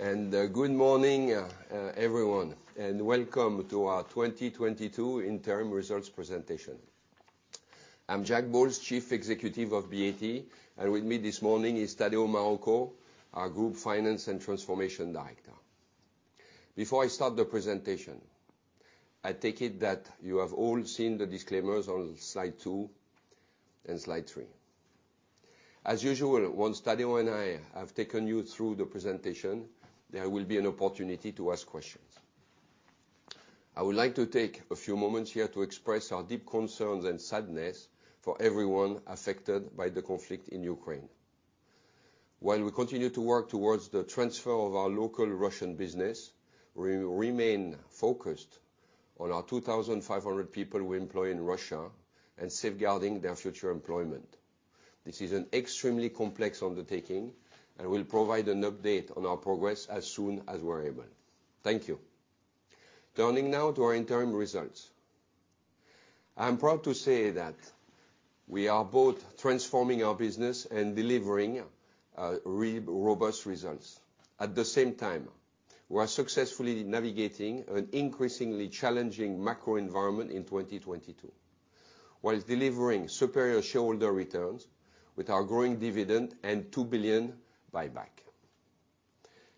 Good morning, everyone and welcome to our 2022 interim results presentation. I'm Jack Bowles, Chief Executive of BAT, and with me this morning is Tadeu Marroco, our Group Finance and Transformation Director. Before I start the presentation, I take it that you have all seen the disclaimers on slide two and slide three. As usual, once Tadeu and I have taken you through the presentation, there will be an opportunity to ask questions. I would like to take a few moments here to express our deep concerns and sadness for everyone affected by the conflict in Ukraine. While we continue to work towards the transfer of our local Russian business, we will remain focused on our 2,500 people we employ in Russia and safeguarding their future employment. This is an extremely complex undertaking, and we'll provide an update on our progress as soon as we're able. Thank you. Turning now to our interim results. I'm proud to say that we are both transforming our business and delivering robust results. At the same time, we are successfully navigating an increasingly challenging macro environment in 2022, while delivering superior shareholder returns with our growing dividend and 2 billion buyback.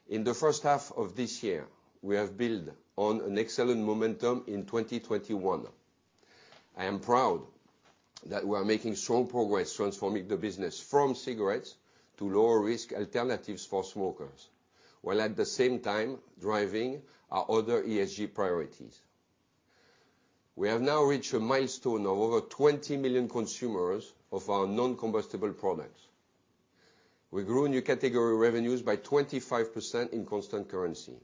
In the first half of this year, we have built on an excellent momentum in 2021. I am proud that we are making strong progress transforming the business from cigarettes to lower risk alternatives for smokers, while at the same time driving our other ESG priorities. We have now reached a milestone of over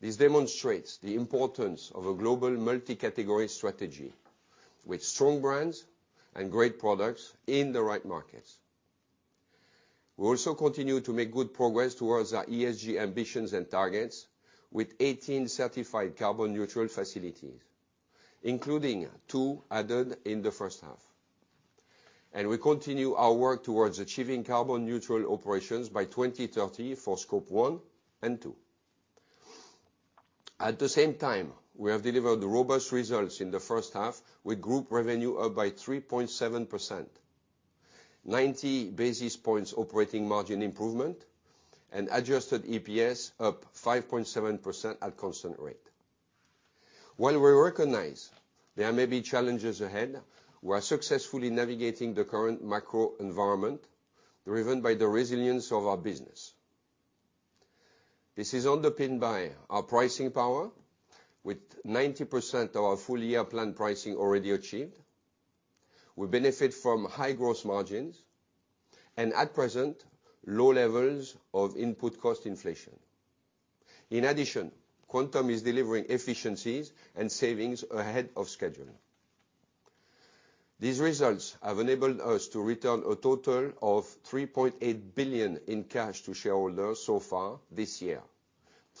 20 million consumers of our non-combustible products. We grew new category revenues by 25% in constant currency, and we have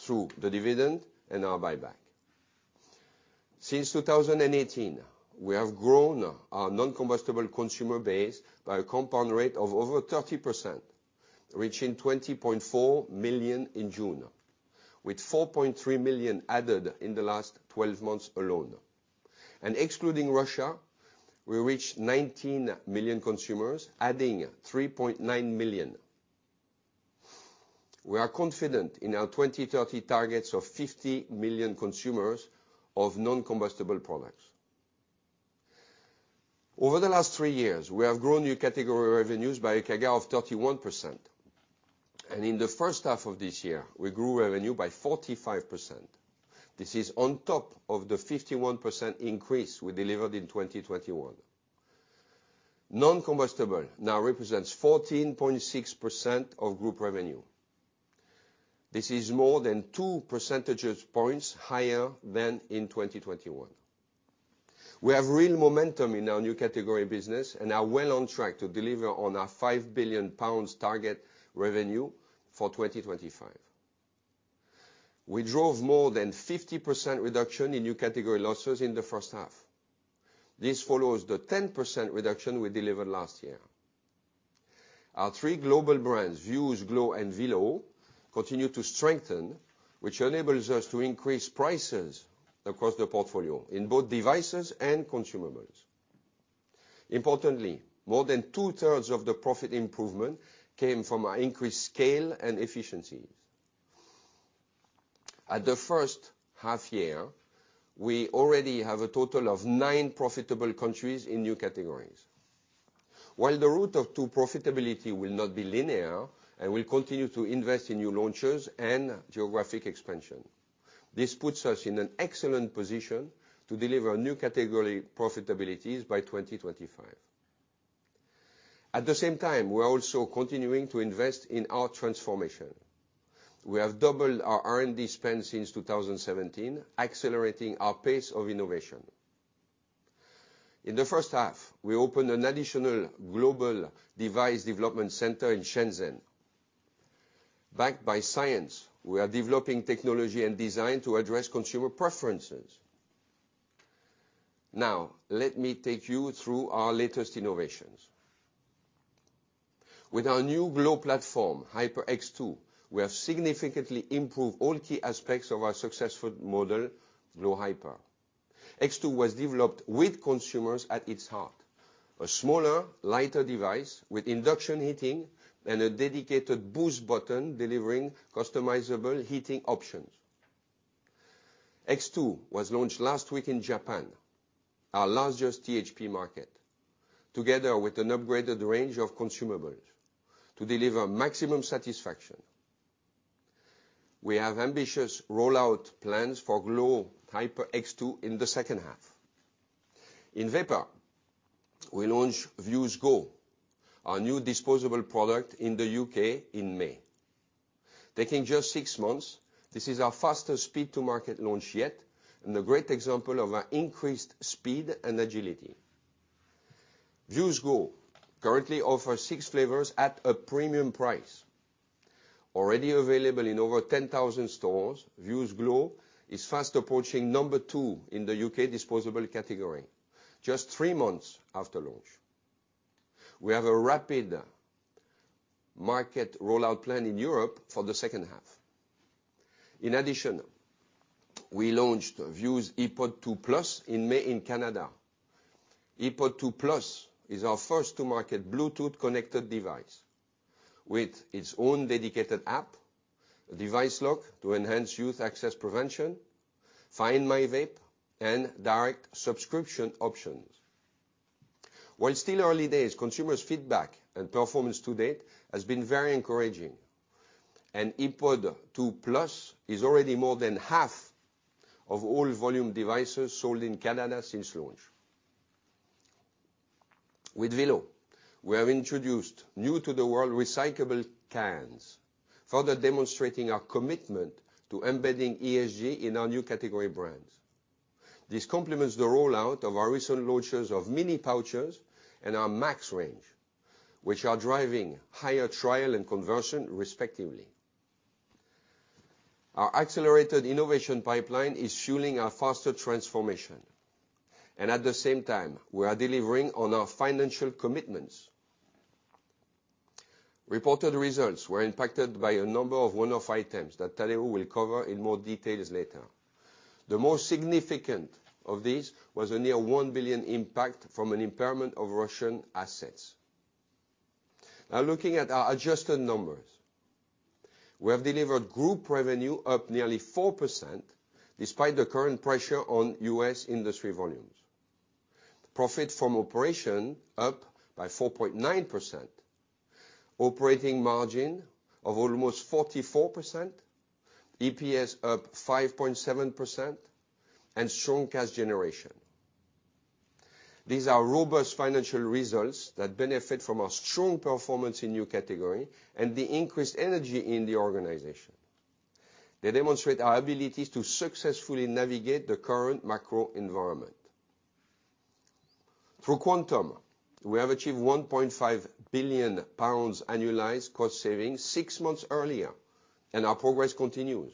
of GBP 3.8 billion in cash to shareholders so far this year through the dividend and our buyback. Since 2018, we have grown our non-combustible consumer base by a compound rate of over 30%, reaching 20.4 million in June, with 4.3 million added in the last twelve months alone. Excluding Russia, we reached 19 million consumers, adding 3.9 million. We are confident in our 2030 targets of 50 million consumers of non-combustible products. Over the last three years, we have grown new category revenues by a CAGR of 31%. In the first half of this year, we grew revenue by 45%. This is on top of the 51% increase we delivered in 2021. Non-combustible now represents 14.6% of group revenue. This is more than two percentage points higher than in 2021. We have real momentum in our new category business and are well on track to deliver on our 5 billion pounds target revenue for 2025. We drove more than 50% reduction in new category losses in the first half. This follows the 10% reduction we delivered last year. Our three global brands, Vuse, glo and Velo, continue to strengthen, which enables us to increase prices across the portfolio in both devices and consumables. Importantly, more than two-thirds of the profit improvement came from our increased scale and efficiencies. At the first half year, we already have a total of 9 profitable countries in new categories. While the road to profitability will not be linear and we'll continue to invest in new launches and geographic expansion. This puts us in an excellent position to deliver new category profitabilities by 2025. At the same time, we are also continuing to invest in our transformation. We have doubled our R&D spend since 2017, accelerating our pace of innovation. In the first half, we opened an additional global device development center in Shenzhen. Backed by science, we are developing technology and design to address consumer preferences. Now, let me take you through our latest innovations. With our new glo platform, Hyper X2, we have significantly improved all key aspects of our successful model, glo Hyper. X2 was developed with consumers at its heart. A smaller, lighter device with induction heating and a dedicated boost button delivering customizable heating options. X2 was launched last week in Japan, our largest THP market, together with an upgraded range of consumables to deliver maximum satisfaction. We have ambitious rollout plans for glo Hyper X2 in the H2. In vapor, we launched Vuse Go, our new disposable product in the U.K. in May. Taking just 6 months, this is our fastest speed to market launch yet, and a great example of our increased speed and agility. Vuse Go currently offers six flavors at a premium price. Already available in over 10,000 stores, Vuse Go is fast approaching number two in the U.K. disposable category just 3 months after launch. We have a rapid market rollout plan in Europe for the H2. In addition, we launched Vuse ePod 2+ in May in Canada. ePod 2+ is our first to market Bluetooth-connected device with its own dedicated app, device lock to enhance youth access prevention, Find My Vape, and direct subscription options. While still early days, consumers' feedback and performance to date has been very encouraging. ePod 2+ is already more than half of all volume devices sold in Canada since launch. With Velo, we have introduced new to the world recyclable cans, further demonstrating our commitment to embedding ESG in our new category brands. This complements the rollout of our recent launches of mini pouches and our Max range, which are driving higher trial and conversion respectively. Our accelerated innovation pipeline is fueling our faster transformation, and at the same time, we are delivering on our financial commitments. Reported results were impacted by a number of one-off items that Tadeu will cover in more details later. The most significant of these was a near 1 billion impact from an impairment of Russian assets. Now looking at our adjusted numbers. We have delivered group revenue up nearly 4% despite the current pressure on U.S. industry volumes. Profit from operations up by 4.9%. Operating margin of almost 44%. EPS up 5.7% and strong cash generation. These are robust financial results that benefit from our strong performance in new categories and the increased energy in the organization. They demonstrate our abilities to successfully navigate the current macro environment. Through Quantum, we have achieved 1.5 billion pounds annualized cost savings six months earlier, and our progress continues.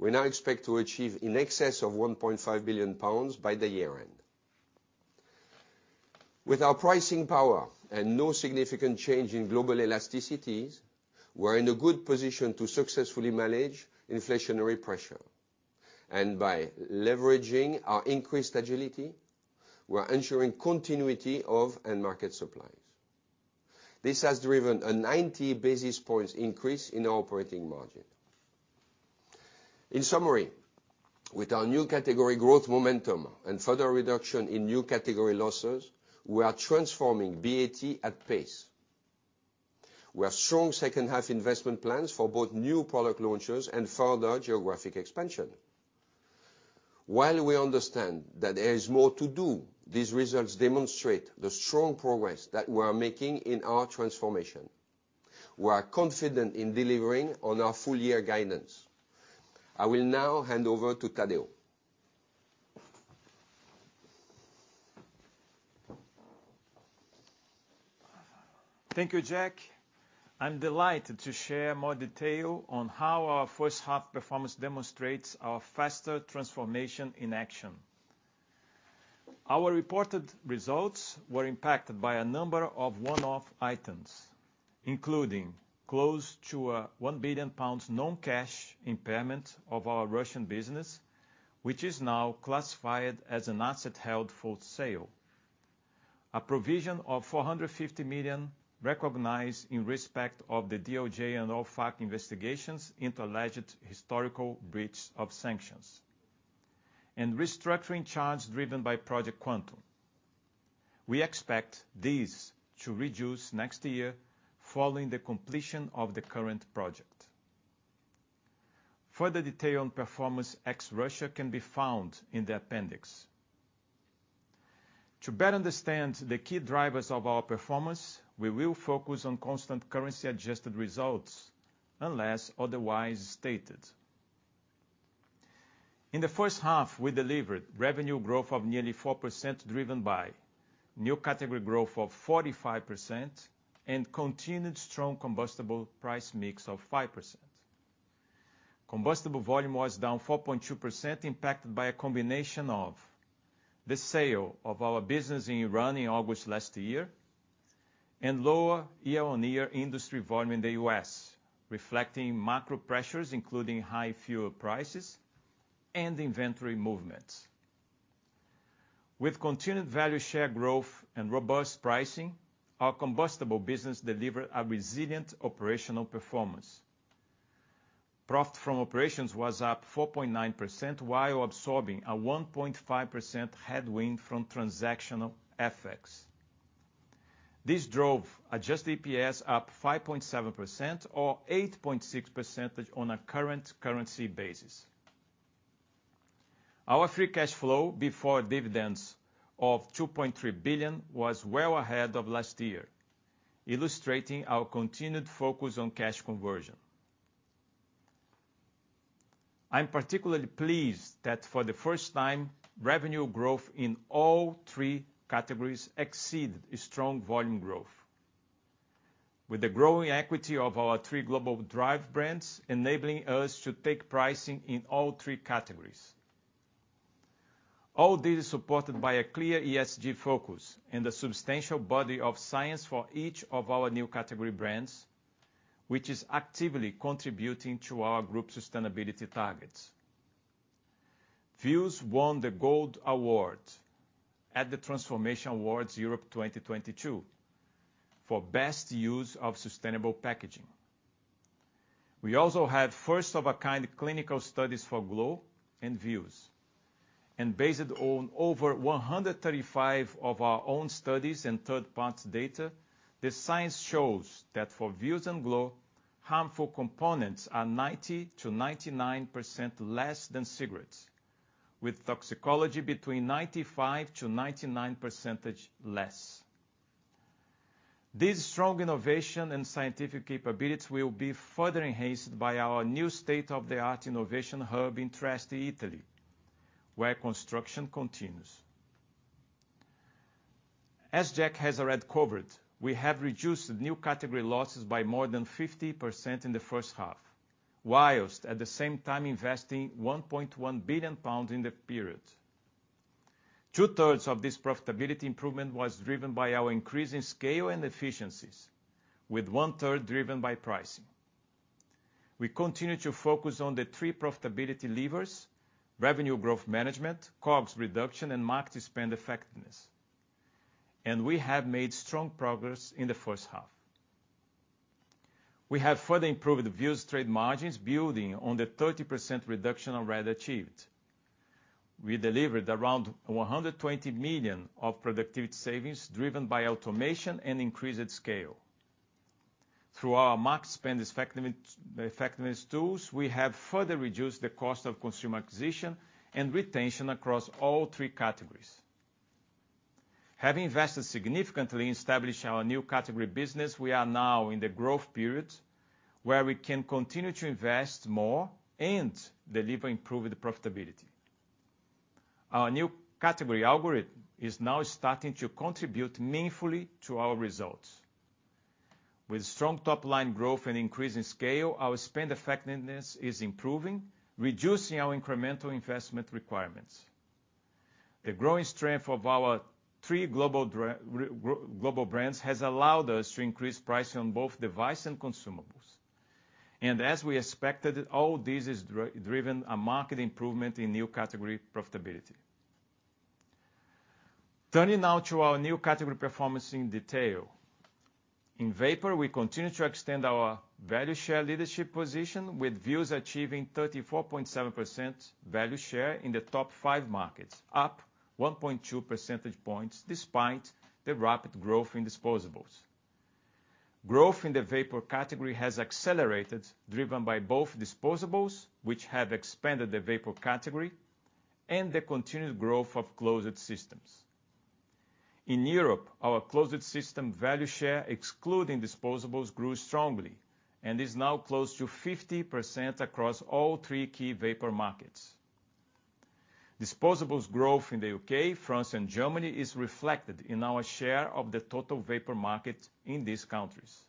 We now expect to achieve in excess of 1.5 billion pounds by the year end. With our pricing power and no significant change in global elasticities, we're in a good position to successfully manage inflationary pressure. By leveraging our increased agility, we're ensuring continuity of end market supplies. This has driven a 90 basis points increase in our operating margin. In summary, with our new category growth momentum and further reduction in new category losses, we are transforming BAT at pace. We have strong H2 investment plans for both new product launches and further geographic expansion. While we understand that there is more to do, these results demonstrate the strong progress that we are making in our transformation. We are confident in delivering on our full year guidance. I will now hand over to Tadeu. Thank you, Jack. I'm delighted to share more detail on how our first half performance demonstrates our faster transformation in action. Our reported results were impacted by a number of one-off items, including close to 1 billion pounds non-cash impairment of our Russian business, which is now classified as an asset held for sale. A provision of 450 million recognized in respect of the DOJ and OFAC investigations into alleged historical breach of sanctions, and restructuring charges driven by Project Quantum. We expect these to reduce next year following the completion of the current project. Further detail on performance ex Russia can be found in the appendix. To better understand the key drivers of our performance, we will focus on constant currency adjusted results unless otherwise stated. In the first half, we delivered revenue growth of nearly 4% driven by new category growth of 45% and continued strong combustible price mix of 5%. Combustible volume was down 4.2% impacted by a combination of the sale of our business in Iran in August last year and lower year-on-year industry volume in the US, reflecting macro pressures, including high fuel prices and inventory movements. With continued value share growth and robust pricing, our combustible business delivered a resilient operational performance. Profit from operations was up 4.9% while absorbing a 1.5% headwind from transactional FX. This drove adjusted EPS up 5.7% or 8.6% on a current currency basis. Our free cash flow before dividends of 2.3 billion was well ahead of last year, illustrating our continued focus on cash conversion. I'm particularly pleased that for the first time, revenue growth in all three categories exceeded strong volume growth. With the growing equity of our three global drive brands enabling us to take pricing in all three categories. All this is supported by a clear ESG focus and the substantial body of science for each of our new category brands, which is actively contributing to our group sustainability targets. Vuse won the Gold Award at the Transform Awards Europe 2022 for Best Use of Sustainable Packaging. We also had first of a kind clinical studies for Glo and Vuse. Based on over 135 of our own studies and third-party data, the science shows that for Vuse and Glo, harmful components are 90%-99% less than cigarettes, with toxicology between 95%-99% less. This strong innovation and scientific capabilities will be further enhanced by our new state-of-the-art innovation hub in Trieste, Italy where construction continues. As Jack has already covered, we have reduced new category losses by more than 50% in the first half, while at the same time investing 1.1 billion pounds in the period. Two-thirds of this profitability improvement was driven by our increase in scale and efficiencies, with one-third driven by pricing. We continue to focus on the three profitability levers, revenue growth management, COGS reduction, and market spend effectiveness. We have made strong progress in the first half. We have further improved Vuse trade margins building on the 30% reduction already achieved. We delivered around 120 million of productivity savings driven by automation and increased scale. Through our market spend effectiveness tools, we have further reduced the cost of consumer acquisition and retention across all three categories. Having invested significantly in establishing our new category business, we are now in the growth period where we can continue to invest more and deliver improved profitability. Our new category algorithm is now starting to contribute meaningfully to our results. With strong top-line growth and increase in scale, our spend effectiveness is improving, reducing our incremental investment requirements. The growing strength of our three global brands has allowed us to increase pricing on both device and consumables. As we expected, all this is driving a marked improvement in new category profitability. Turning now to our new category performance in detail. In vapor, we continue to extend our value share leadership position with Vuse achieving 34.7% value share in the top five markets, up 1.2 percentage points despite the rapid growth in disposables. Growth in the vapor category has accelerated, driven by both disposables, which have expanded the vapor category, and the continued growth of closed systems. In Europe, our closed system value share, excluding disposables grew strongly and is now close to 50% across all three key vapor markets. Disposables growth in the U.K., France, and Germany is reflected in our share of the total vapor market in these countries.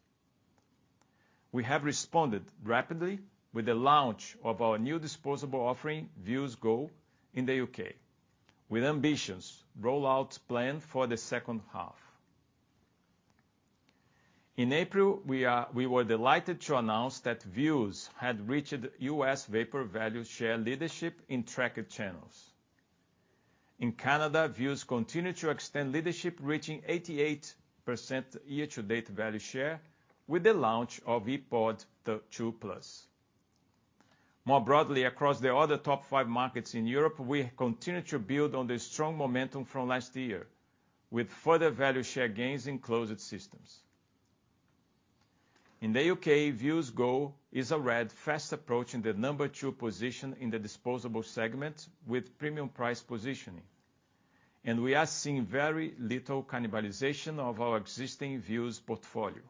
We have responded rapidly with the launch of our new disposable offering Vuse Go, in the U.K. with ambitious rollout plan for the H2. In April, we were delighted to announce that Vuse had reached U.S. vapor value share leadership in tracked channels. In Canada, Vuse continued to extend leadership, reaching 88% year-to-date value share with the launch of ePod 2+. More broadly, across the other top five markets in Europe, we continue to build on the strong momentum from last year with further value share gains in closed systems. In the UK, Vuse Go is already fast approaching the number two position in the disposable segment with premium price positioning. We are seeing very little cannibalization of our existing Vuse portfolio.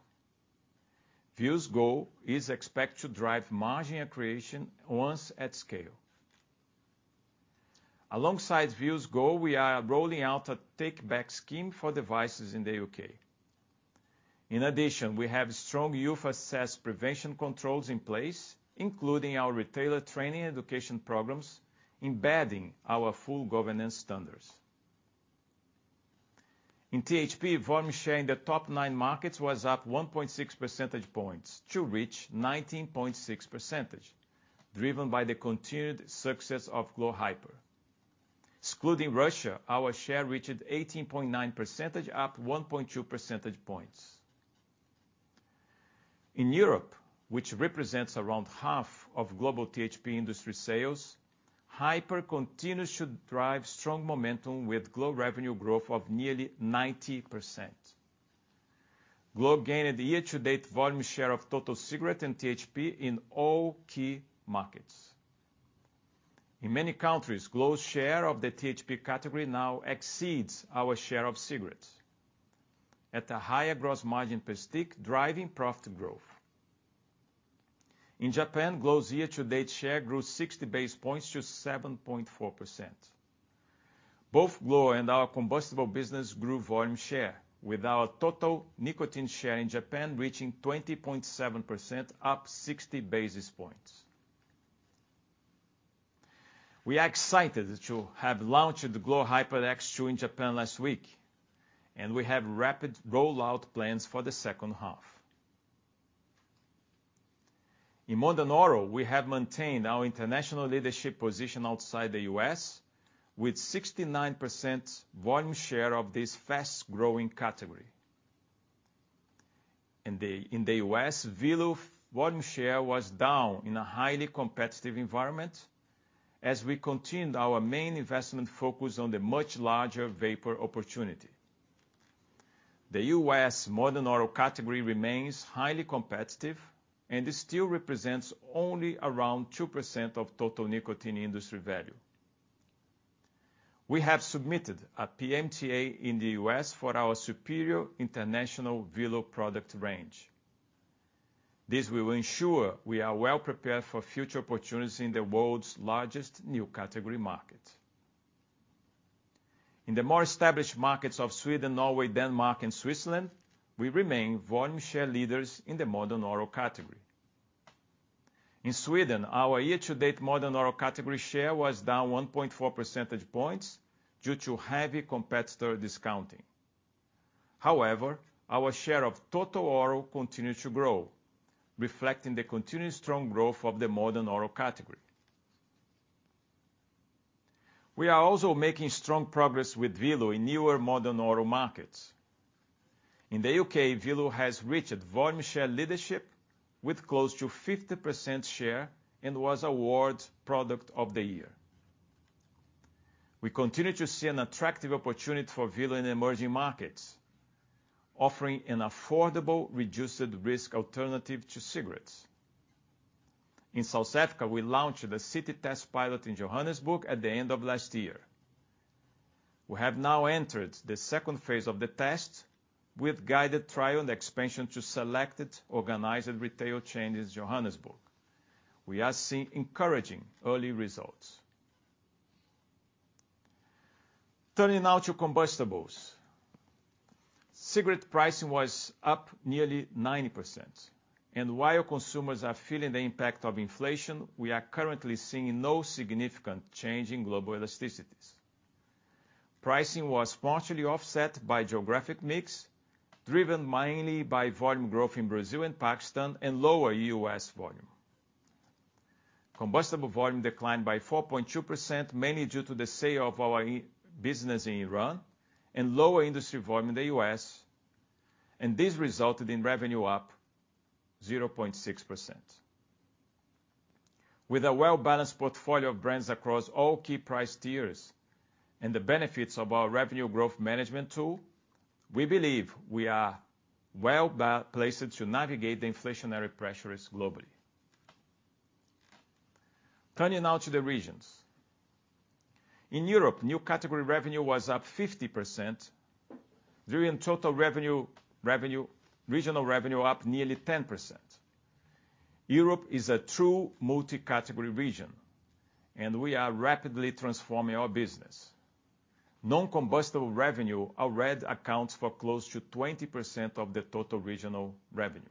Vuse Go is expected to drive margin accretion once at scale. Alongside Vuse Go, we are rolling out a take-back scheme for devices in the UK. In addition, we have strong youth access prevention controls in place, including our retailer training education programs, embedding our full governance standards. In THP, volume share in the top 9 markets was up 1.6 percentage points to reach 19.6%, driven by the continued success of glo Hyper. Excluding Russia, our share reached 18.9%, up 1.2 percentage points. In Europe, which represents around half of global THP industry sales, Hyper continues to drive strong momentum with glo revenue growth of nearly 90%. glo gained a year-to-date volume share of total cigarette and THP in all key markets. In many countries, glo's share of the THP category now exceeds our share of cigarettes. At a higher gross margin per stick, driving profit growth. In Japan, glo's year-to-date share grew 60 basis points to 7.4%. Both glo and our combustible business grew volume share, with our total nicotine share in Japan reaching 20.7%, up 60 basis points. We are excited to have launched the glo Hyper X2 in Japan last week, and we have rapid rollout plans for the H2. In Modern Oral, we have maintained our international leadership position outside the U.S. with 69% volume share of this fast-growing category. In the U.S., Velo volume share was down in a highly competitive environment as we continued our main investment focus on the much larger vapor opportunity. The U.S. Modern Oral category remains highly competitive and it still represents only around 2% of total nicotine industry value. We have submitted a PMTA in the U.S. for our superior international Velo product range. This will ensure we are well prepared for future opportunities in the world's largest new category market. In the more established markets of Sweden, Norway, Denmark, and Switzerland, we remain volume share leaders in the Modern Oral category. In Sweden, our year-to-date Modern Oral category share was down 1.4 percentage points due to heavy competitor discounting. However, our share of total oral continued to grow, reflecting the continued strong growth of the Modern Oral category. We are also making strong progress with Velo in newer Modern Oral markets. In the U.K., Velo has reached volume share leadership with close to 50% share and was awarded product of the year. We continue to see an attractive opportunity for Velo in emerging markets, offering an affordable, reduced risk alternative to cigarettes. In South Africa, we launched the city test pilot in Johannesburg at the end of last year. We have now entered the second phase of the test with guided trial and expansion to selected organized retail chains in Johannesburg. We are seeing encouraging early results. Turning now to combustibles. Cigarette pricing was up nearly 90%. While consumers are feeling the impact of inflation, we are currently seeing no significant change in global elasticities. Pricing was partially offset by geographic mix, driven mainly by volume growth in Brazil and Pakistan and lower US volume. Combustible volume declined by 4.2%, mainly due to the sale of our business in Iran and lower industry volume in the US, and this resulted in revenue up 0.6%. With a well-balanced portfolio of brands across all key price tiers and the benefits of our revenue growth management tool, we believe we are well-placed to navigate the inflationary pressures globally. Turning now to the regions. In Europe, new category revenue was up 50%, driving total revenue up nearly 10%. Europe is a true multi-category region, and we are rapidly transforming our business. Non-combustible revenue already accounts for close to 20% of the total regional revenue.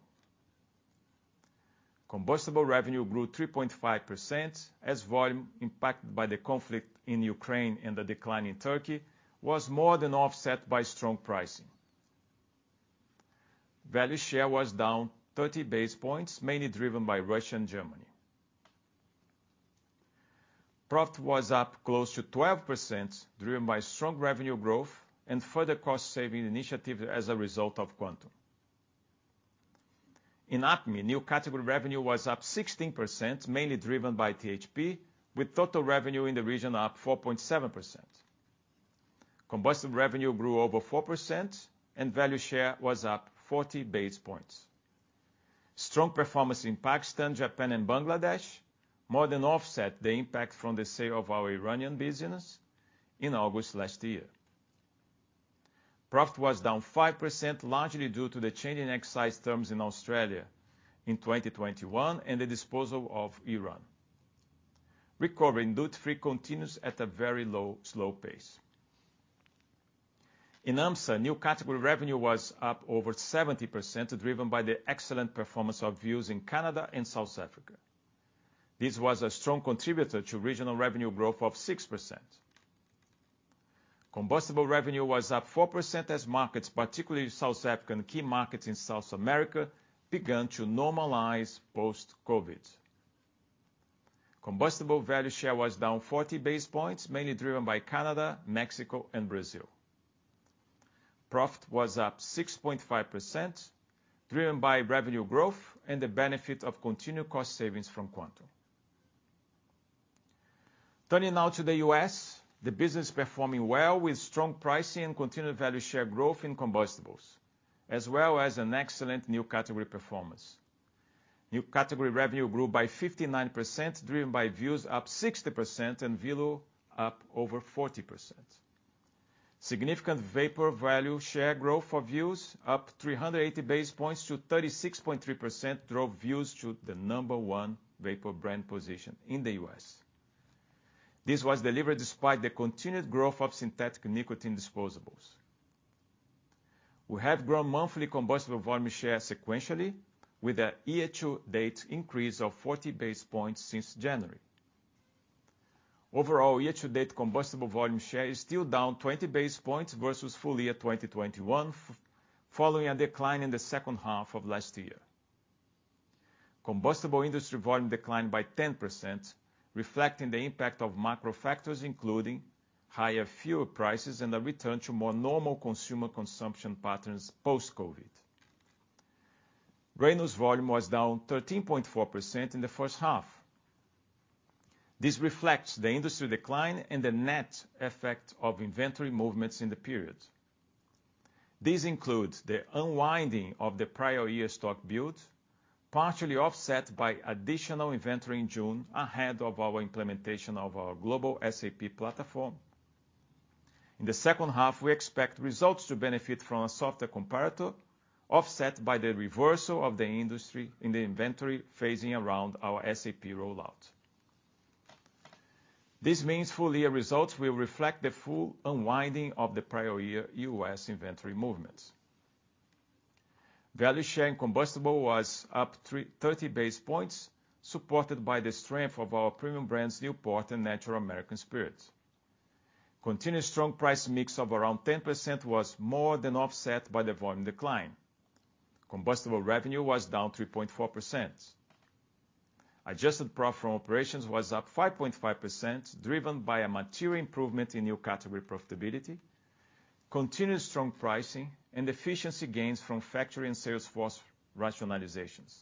Combustible revenue grew 3.5% as volume impacted by the conflict in Ukraine and the decline in Turkey was more than offset by strong pricing. Value share was down 30 basis points, mainly driven by Russia and Germany. Profit was up close to 12%, driven by strong revenue growth and further cost saving initiatives as a result of Quantum. In APMEA, new category revenue was up 16%, mainly driven by THP, with total revenue in the region up 4.7%. Combustible revenue grew over 4% and value share was up 40 basis points. Strong performance in Pakistan, Japan, and Bangladesh more than offset the impact from the sale of our Iranian business in August last year. Profit was down 5%, largely due to the change in excise terms in Australia in 2021 and the disposal of Iran. Recovery in duty-free continues at a very low, slow pace. In AMSSA, new category revenue was up over 70%, driven by the excellent performance of Vuse in Canada and South Africa. This was a strong contributor to regional revenue growth of 6%. Combustible revenue was up 4% as markets, particularly South Africa and key markets in South America, began to normalize post-COVID. Combustible value share was down 40 basis points, mainly driven by Canada, Mexico and Brazil. Profit was up 6.5%, driven by revenue growth and the benefit of continued cost savings from Quantum. Turning now to the U.S., the business is performing well with strong pricing and continued value share growth in combustibles, as well as an excellent new category performance. New category revenue grew by 59%, driven by Vuse up 60% and Velo up over 40%. Significant vapor value share growth for Vuse, up 380 basis points to 36.3%, drove Vuse to the number one vapor brand position in the U.S. This was delivered despite the continued growth of synthetic nicotine disposables. We have grown monthly combustible volume share sequentially with a year-to-date increase of 40 basis points since January. Overall, year-to-date combustible volume share is still down 20 basis points versus full year 2021, following a decline in the H2 of last year. Combustible industry volume declined by 10%, reflecting the impact of macro factors, including higher fuel prices and a return to more normal consumer consumption patterns post-COVID. Reynolds volume was down 13.4% in the first half. This reflects the industry decline and the net effect of inventory movements in the period. These include the unwinding of the prior year stock build, partially offset by additional inventory in June ahead of our implementation of our global SAP platform. In the H2, we expect results to benefit from a softer comparator, offset by the reversal of the industry in the inventory phasing around our SAP rollout. This means full year results will reflect the full unwinding of the prior year U.S. inventory movements. Value share in combustible was up thirty basis points, supported by the strength of our premium brands, Newport and Natural American Spirit. Continued strong price mix of around 10% was more than offset by the volume decline. Combustible revenue was down 3.4%. Adjusted profit from operations was up 5.5%, driven by a material improvement in new category profitability, continued strong pricing, and efficiency gains from factory and sales force rationalizations.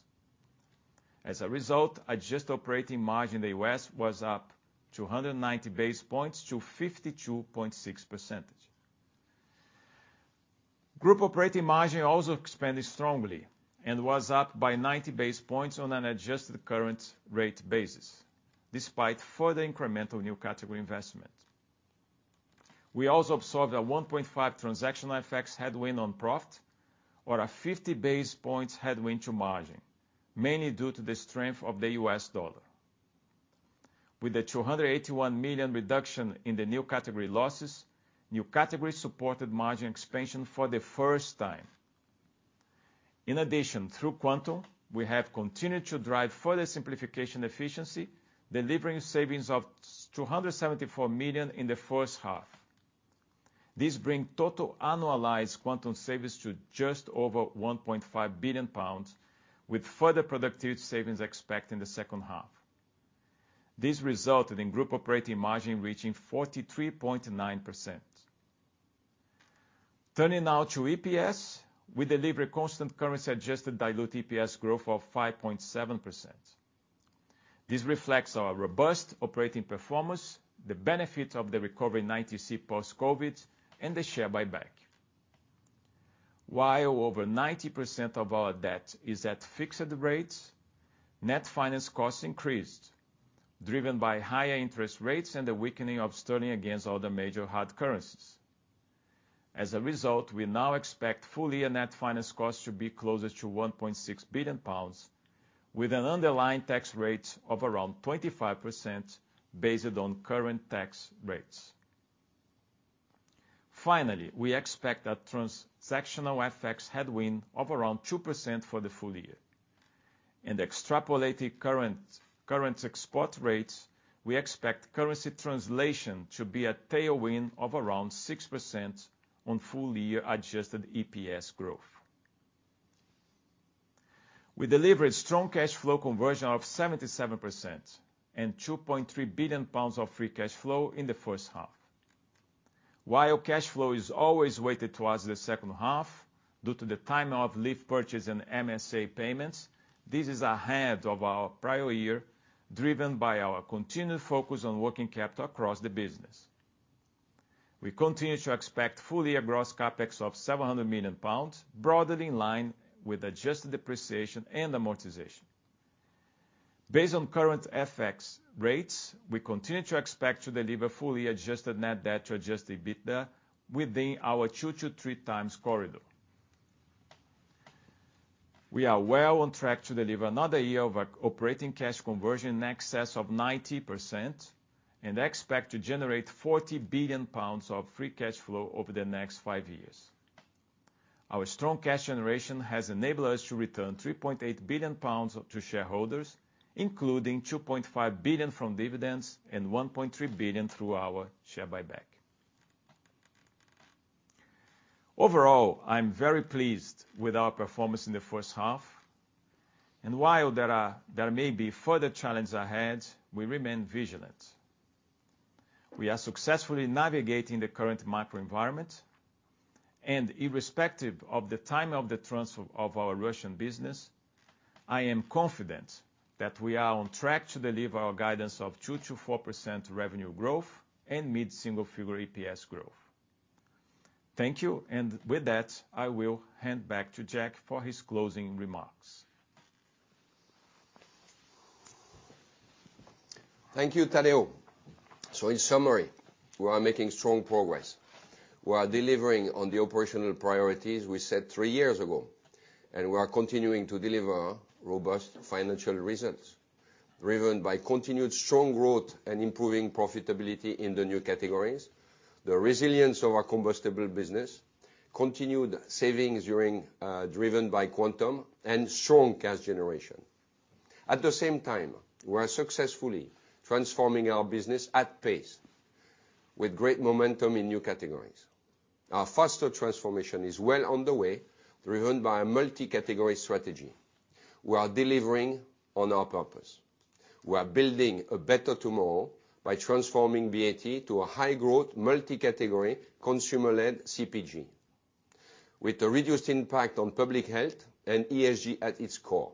As a result, adjusted operating margin in the U.S. was up 190 basis points to 52.6%. Group operating margin also expanded strongly and was up by 90 basis points on an adjusted current rate basis despite further incremental new category investment. We also observed a 1.5 transactional effects headwind on profit or a 50-basis points headwind to margin, mainly due to the strength of the U.S. dollar. With a 281 million reduction in the new category losses, new category supported margin expansion for the first time. In addition, through Quantum, we have continued to drive further simplification efficiency, delivering savings of 274 million in the first half. This brings total annualized Quantum savings to just over 1.5 billion pounds, with further productivity savings expected in the H2. This resulted in group operating margin reaching 43.9%. Turning now to EPS, we delivered constant currency adjusted diluted EPS growth of 5.7%. This reflects our robust operating performance, the benefit of the recovery in ITC post-COVID, and the share buyback. While over 90% of our debt is at fixed rates, net finance costs increased, driven by higher interest rates and the weakening of sterling against other major hard currencies. As a result, we now expect full year net finance costs to be closer to 1.6 billion pounds, with an underlying tax rate of around 25% based on current tax rates. Finally, we expect a transactional FX headwind of around 2% for the full year. In the extrapolated current exchange rates, we expect currency translation to be a tailwind of around 6% on full year adjusted EPS growth. We delivered strong cash flow conversion of 77% and 2.3 billion pounds of free cash flow in the first half. While cash flow is always weighted towards the H2. Due to the timing of leaf purchase and MSA payments, this is ahead of our prior year, driven by our continued focus on working capital across the business. We continue to expect full-year gross CapEx of 700 million pounds, broadly in line with adjusted depreciation and amortization. Based on current FX rates, we continue to expect to deliver full-year adjusted net debt to adjusted EBITDA within our 2-3 times corridor. We are well on track to deliver another year of operating cash conversion in excess of 90% and expect to generate 40 billion pounds of free cash flow over the next five years. Our strong cash generation has enabled us to return 3.8 billion pounds to shareholders, including 2.5 billion from dividends and 1.3 billion through our share buyback. Overall, I'm very pleased with our performance in the first half, and while there may be further challenges ahead, we remain vigilant. We are successfully navigating the current macro environment and irrespective of the time of the transfer of our Russian business, I am confident that we are on track to deliver our guidance of 2%-4% revenue growth and mid-single-digit EPS growth. Thank you. With that, I will hand back to Jack Bowles for his closing remarks. Thank you, Tadeu. In summary, we are making strong progress. We are delivering on the operational priorities we set three years ago, and we are continuing to deliver robust financial results, driven by continued strong growth and improving profitability in the new categories. The resilience of our combustible business, continued savings driven by Quantum and strong cash generation. At the same time, we are successfully transforming our business at pace with great momentum in new categories. Our faster transformation is well on the way, driven by a multi-category strategy. We are delivering on our purpose. We are building a better tomorrow by transforming BAT to a high growth, multi-category, consumer-led CPG, with a reduced impact on public health and ESG at its core.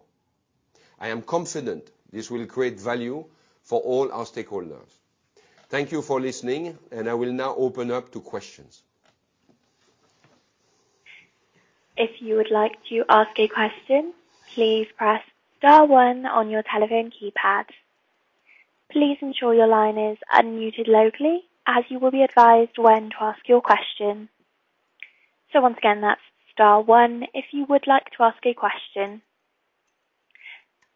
I am confident this will create value for all our stakeholders. Thank you for listening, and I will now open up to questions. If you would like to ask a question, please press star one on your telephone keypad. Please ensure your line is unmuted locally as you will be advised when to ask your question. Once again, that's star one, if you would like to ask a question.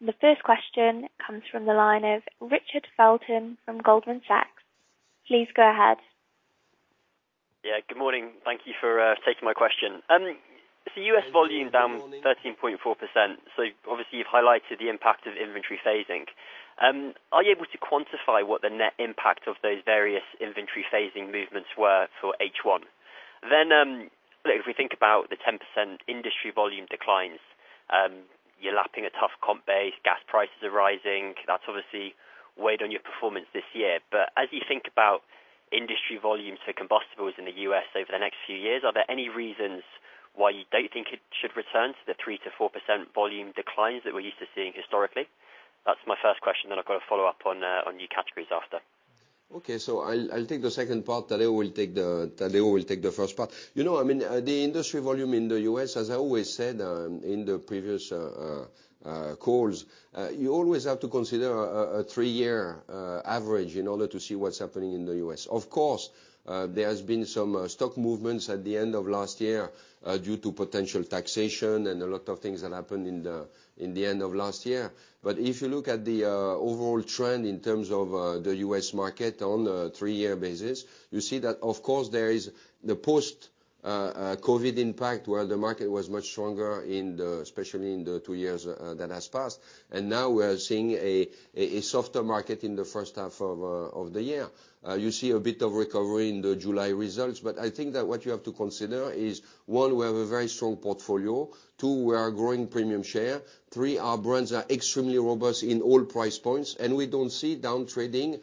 The first question comes from the line of Richard Felton from Goldman Sachs. Please go ahead. Yeah, good morning. Thank you for taking my question. The US volume- Good morning. down 13.4%. Obviously you've highlighted the impact of inventory phasing. Are you able to quantify what the net impact of those various inventory phasing movements were for H1? Look, if we think about the 10% industry volume declines, you're lapping a tough comp base, gas prices are rising, that's obviously weighed on your performance this year. As you think about industry volumes for combustibles in the US over the next few years, are there any reasons why you don't think it should return to the 3%-4% volume declines that we're used to seeing historically? That's my first question. I've got a follow-up on new categories after. Okay. I'll take the second part. Tadeu will take the first part. You know, I mean, the industry volume in the U.S., as I always said, in the previous calls, you always have to consider a three-year average in order to see what's happening in the U.S. Of course, there has been some stock movements at the end of last year due to potential taxation and a lot of things that happened in the end of last year. If you look at the overall trend in terms of the U.S. market on a three-year basis, you see that of course there is the post-COVID impact, where the market was much stronger, especially in the two years that has passed. Now we are seeing a softer market in the first half of the year. You see a bit of recovery in the July results, but I think that what you have to consider is, one, we have a very strong portfolio. Two, we are growing premium share. Three, our brands are extremely robust in all price points, and we don't see downtrading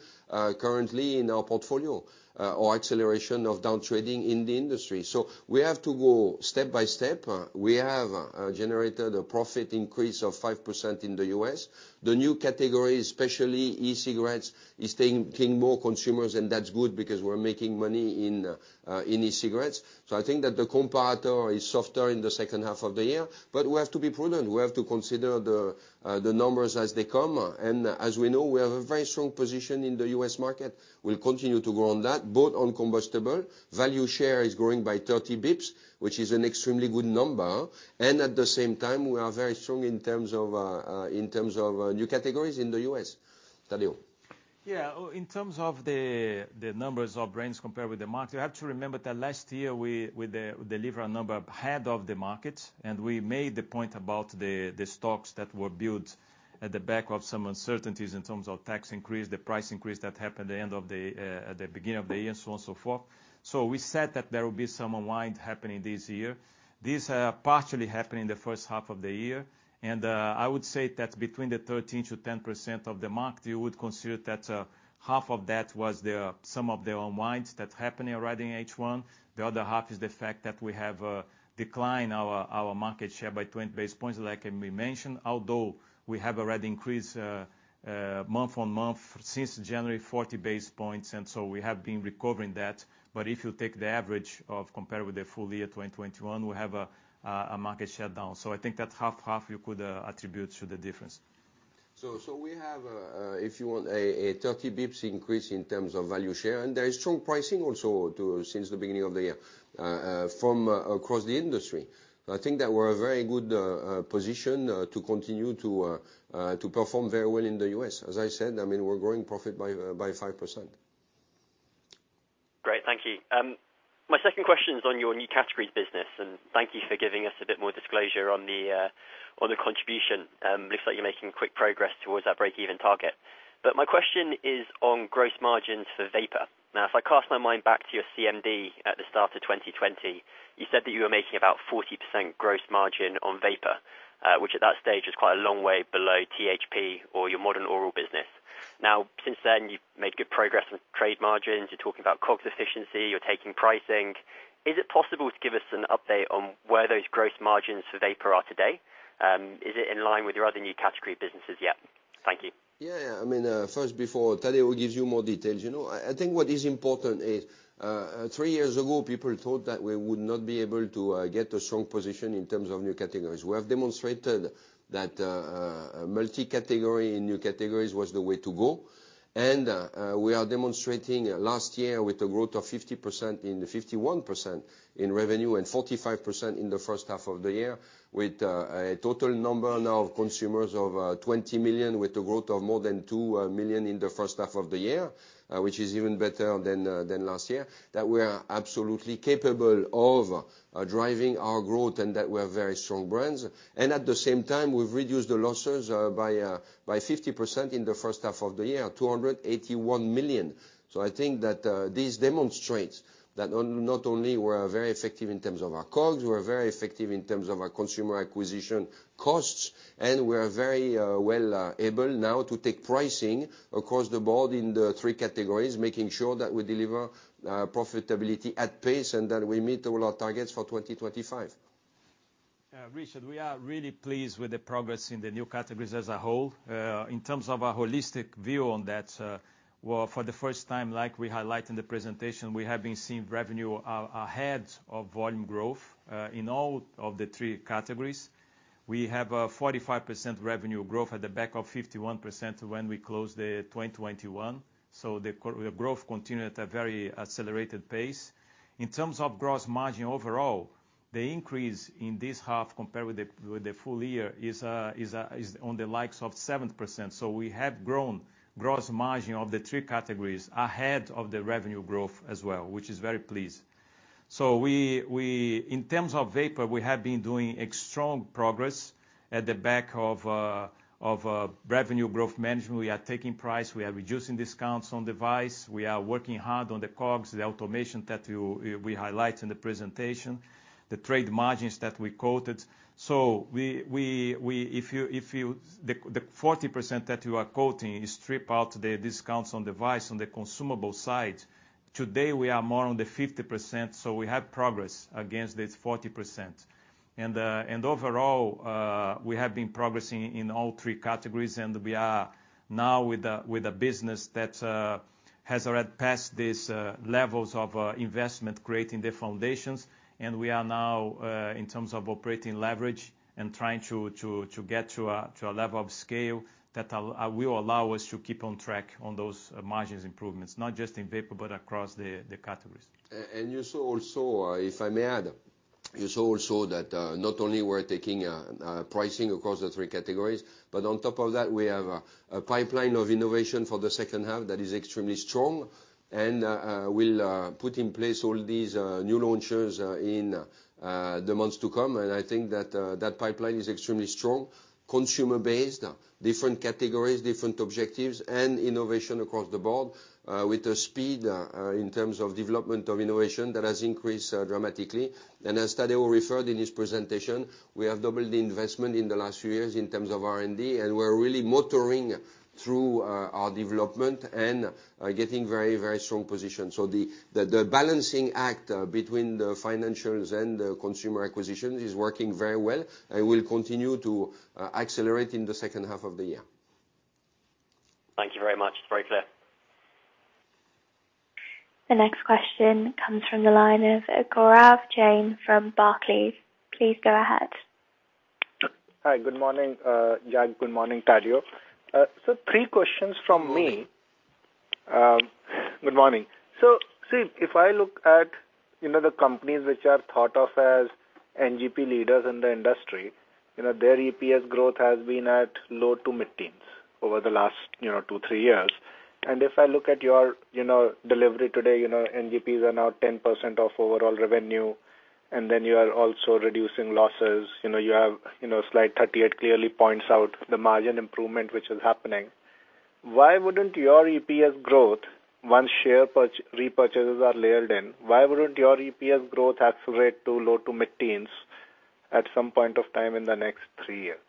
currently in our portfolio or acceleration of downtrading in the industry. We have to go step by step. We have generated a profit increase of 5% in the US. The new category, especially e-cigarettes, is taking more consumers, and that's good because we're making money in e-cigarettes. I think that the comparator is softer in the H2 of the year, but we have to be prudent. We have to consider the numbers as they come. As we know, we have a very strong position in the U.S. market. We'll continue to grow on that, both on combustible. Value share is growing by 30 basis points, which is an extremely good number. At the same time, we are very strong in terms of new categories in the U.S. Tadeu. Yeah. In terms of the numbers of brands compared with the market, you have to remember that last year we delivered a number ahead of the market, and we made the point about the stocks that were built on the back of some uncertainties in terms of tax increase, the price increase that happened at the beginning of the year, and so on and so forth. We said that there will be some unwind happening this year. These partially happened in the first half of the year. I would say that between 13%-10% of the market, you would consider that half of that was some of the unwinds that happened already in H1. The other half is the fact that we have declined our market share by 20 basis points, like we mentioned. Although we have already increased month-on-month since January, 40 basis points, and so we have been recovering that. If you take the average compared with the full year 2021, we have a market share down. I think that half-half you could attribute to the difference. We have, if you want a 30 basis points increase in terms of value share, and there is strong pricing also, too, since the beginning of the year, from across the industry. I think that we're in a very good position to continue to perform very well in the US. As I said, I mean, we're growing profit by 5%. Great. Thank you. My second question is on your new categories business, and thank you for giving us a bit more disclosure on the contribution. Looks like you're making quick progress towards that break-even target. My question is on gross margins for vapor. Now, if I cast my mind back to your CMD at the start of 2020, you said that you were making about 40% gross margin on vapor, which at that stage was quite a long way below THP or your Modern Oral business. Now, since then, you've made good progress on trade margins. You're talking about COGS efficiency. You're taking pricing. Is it possible to give us an update on where those gross margins for vapor are today? Is it in line with your other new category businesses yet? Thank you. Yeah. I mean, first before Tadeu gives you more details, you know, I think what is important is, three years ago, people thought that we would not be able to get a strong position in terms of new categories. We have demonstrated that, multi-category and new categories was the way to go. We are demonstrating last year with a growth of 50% in, 51% in revenue and 45% in the first half of the year, with, a total number now of consumers of, 20 million with a growth of more than 2 million in the first half of the year, which is even better than last year. That we are absolutely capable of driving our growth and that we have very strong brands. We've reduced the losses by 50% in the first half of the year, 281 million. I think that this demonstrates that not only we're very effective in terms of our COGS, we're very effective in terms of our consumer acquisition costs, and we are very well able now to take pricing across the board in the three categories, making sure that we deliver profitability at pace and that we meet all our targets for 2025. Richard, we are really pleased with the progress in the new categories as a whole. In terms of our holistic view on that, well, for the first time, like we highlight in the presentation, we have been seeing revenue ahead of volume growth in all of the three categories. We have a 45% revenue growth on the back of 51% when we closed the 2021, so the growth continued at a very accelerated pace. In terms of gross margin overall, the increase in this half compared with the full year is on the likes of 7%. We have grown gross margin of the three categories ahead of the revenue growth as well, which is very pleased. In terms of vapor, we have been doing a strong progress on the back of revenue growth management. We are taking price. We are reducing discounts on device. We are working hard on the COGS, the automation that we highlight in the presentation, the trade margins that we quoted. The 40% that you are quoting strips out the discounts on device, on the consumable side. Today, we are more on the 50%, so we have progress against this 40%. Overall, we have been progressing in all three categories, and we are now with a business that has already passed these levels of investment, creating the foundations. We are now in terms of operating leverage and trying to get to a level of scale that will allow us to keep on track on those margins improvements, not just in vapor but across the categories. If I may add, you saw also that not only we're taking pricing across the three categories, but on top of that, we have a pipeline of innovation for the H2 that is extremely strong and will put in place all these new launches in the months to come. I think that pipeline is extremely strong, consumer-based, different categories, different objectives, and innovation across the board, with the speed in terms of development of innovation that has increased dramatically. As Tadeu referred in his presentation, we have doubled the investment in the last few years in terms of R&D, and we're really motoring through our development and getting very, very strong position. The balancing act between the financials and the consumer acquisition is working very well and will continue to accelerate in the H2 of the year. Thank you very much. It's very clear. The next question comes from the line of Gaurav Jain from Barclays. Please go ahead. Hi, good morning, Jack. Good morning, Tadeu. Three questions from me. Good morning. Good morning. See, if I look at, you know, the companies which are thought of as NGP leaders in the industry, you know, their EPS growth has been at low- to mid-teens% over the last 2-3 years. If I look at your, you know, delivery today, you know, NGPs are now 10% of overall revenue, and then you are also reducing losses. You know, you have, you know, slide 38 clearly points out the margin improvement, which is happening. Why wouldn't your EPS growth, once share repurchases are layered in, why wouldn't your EPS growth accelerate to low- to mid-teens% at some point of time in the next 3 years?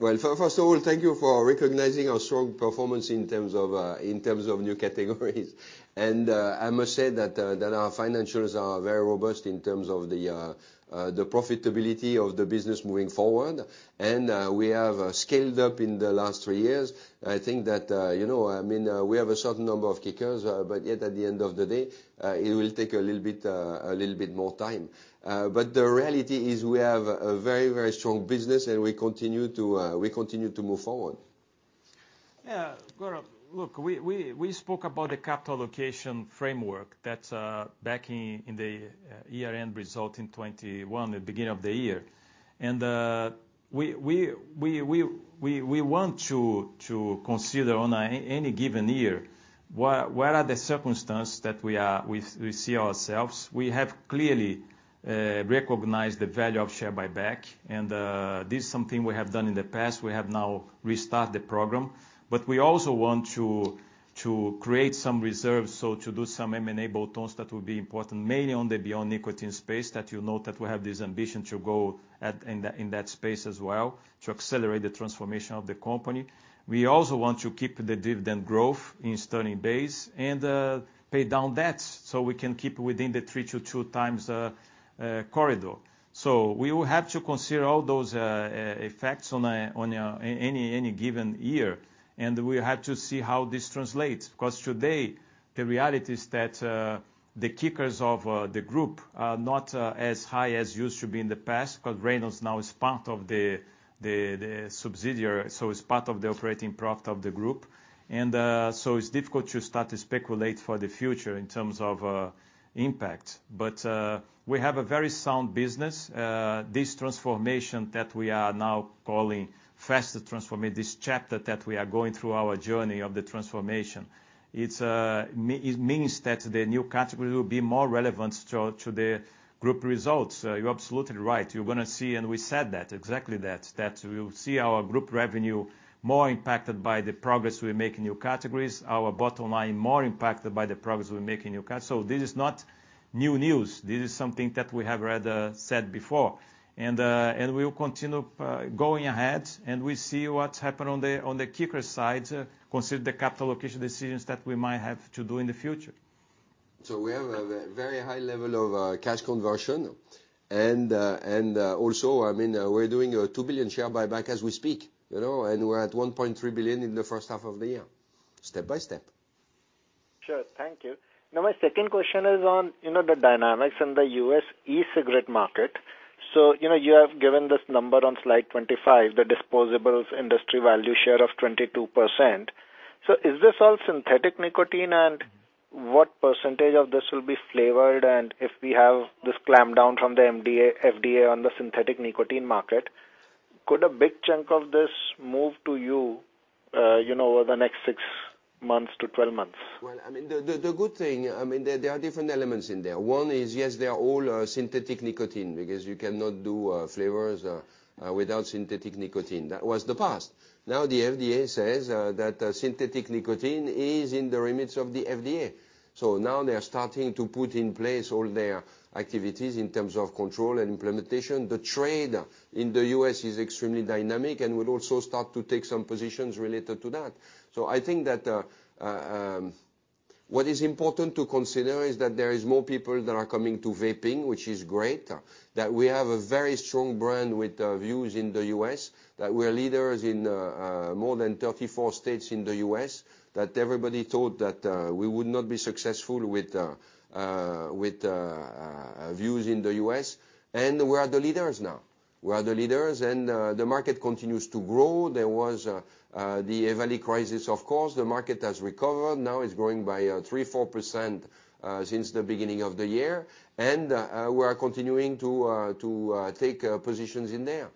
Well, first of all, thank you for recognizing our strong performance in terms of new categories. I must say that our financials are very robust in terms of the profitability of the business moving forward. We have scaled up in the last three years. I think that, you know, I mean, we have a certain number of kickers, but yet at the end of the day, it will take a little bit more time. The reality is we have a very, very strong business and we continue to move forward. Yeah. Gaurav, look, we spoke about the capital allocation framework that back in the year-end result in 2021, the beginning of the year. We want to consider on any given year what are the circumstances that we see ourselves. We have clearly recognized the value of share buyback and this is something we have done in the past. We have now restarted the program. We also want to create some reserves, so to do some M&A bolt-ons that will be important, mainly on the beyond nicotine space, that you know that we have this ambition to go at in that space as well, to accelerate the transformation of the company. We also want to keep the dividend growth in sterling base and pay down debts, so we can keep within the two to three times corridor. We will have to consider all those effects on any given year, and we have to see how this translates. Today, the reality is that the kickers of the group are not as high as used to be in the past, because Reynolds now is part of the subsidiary, so it's part of the operating profit of the group. It's difficult to start to speculate for the future in terms of impact. We have a very sound business. This transformation that we are now calling faster transformation, this chapter that we are going through our journey of the transformation, it means that the new category will be more relevant to the group results. You're absolutely right. You're gonna see, and we said that, exactly that we'll see our group revenue more impacted by the progress we make in new categories, our bottom line more impacted by the progress we make in new cat. This is not new news. This is something that we have rather said before. We will continue going ahead, and we see what's happened on the kicker side, consider the capital allocation decisions that we might have to do in the future. We have a very high level of cash conversion. Also, I mean, we're doing a 2 billion share buyback as we speak, you know, and we're at 1.3 billion in the first half of the year. Step by step. Sure. Thank you. Now, my second question is on, you know, the dynamics in the U.S. e-cigarette market. You know, you have given this number on slide 25, the disposables industry value share of 22%. Is this all synthetic nicotine, and what percentage of this will be flavored? If we have this clampdown from the FDA on the synthetic nicotine market, could a big chunk of this move to you know, over the next 6 months to 12 months? I mean, the good thing, I mean, there are different elements in there. One is, yes, they are all synthetic nicotine because you cannot do flavors without synthetic nicotine. That was the past. Now, the FDA says that synthetic nicotine is in the remit of the FDA. Now they are starting to put in place all their activities in terms of control and implementation. The trade in the U.S. is extremely dynamic and will also start to take some positions related to that. I think that what is important to consider is that there is more people that are coming to vaping, which is great. That we have a very strong brand with Vuse in the US, that we are leaders in more than 34 states in the US, that everybody thought that we would not be successful with Vuse in the US. We are the leaders now. We are the leaders, and the market continues to grow. There was the EVALI crisis, of course. The market has recovered. Now it's growing by 3-4% since the beginning of the year. We are continuing to take positions in there.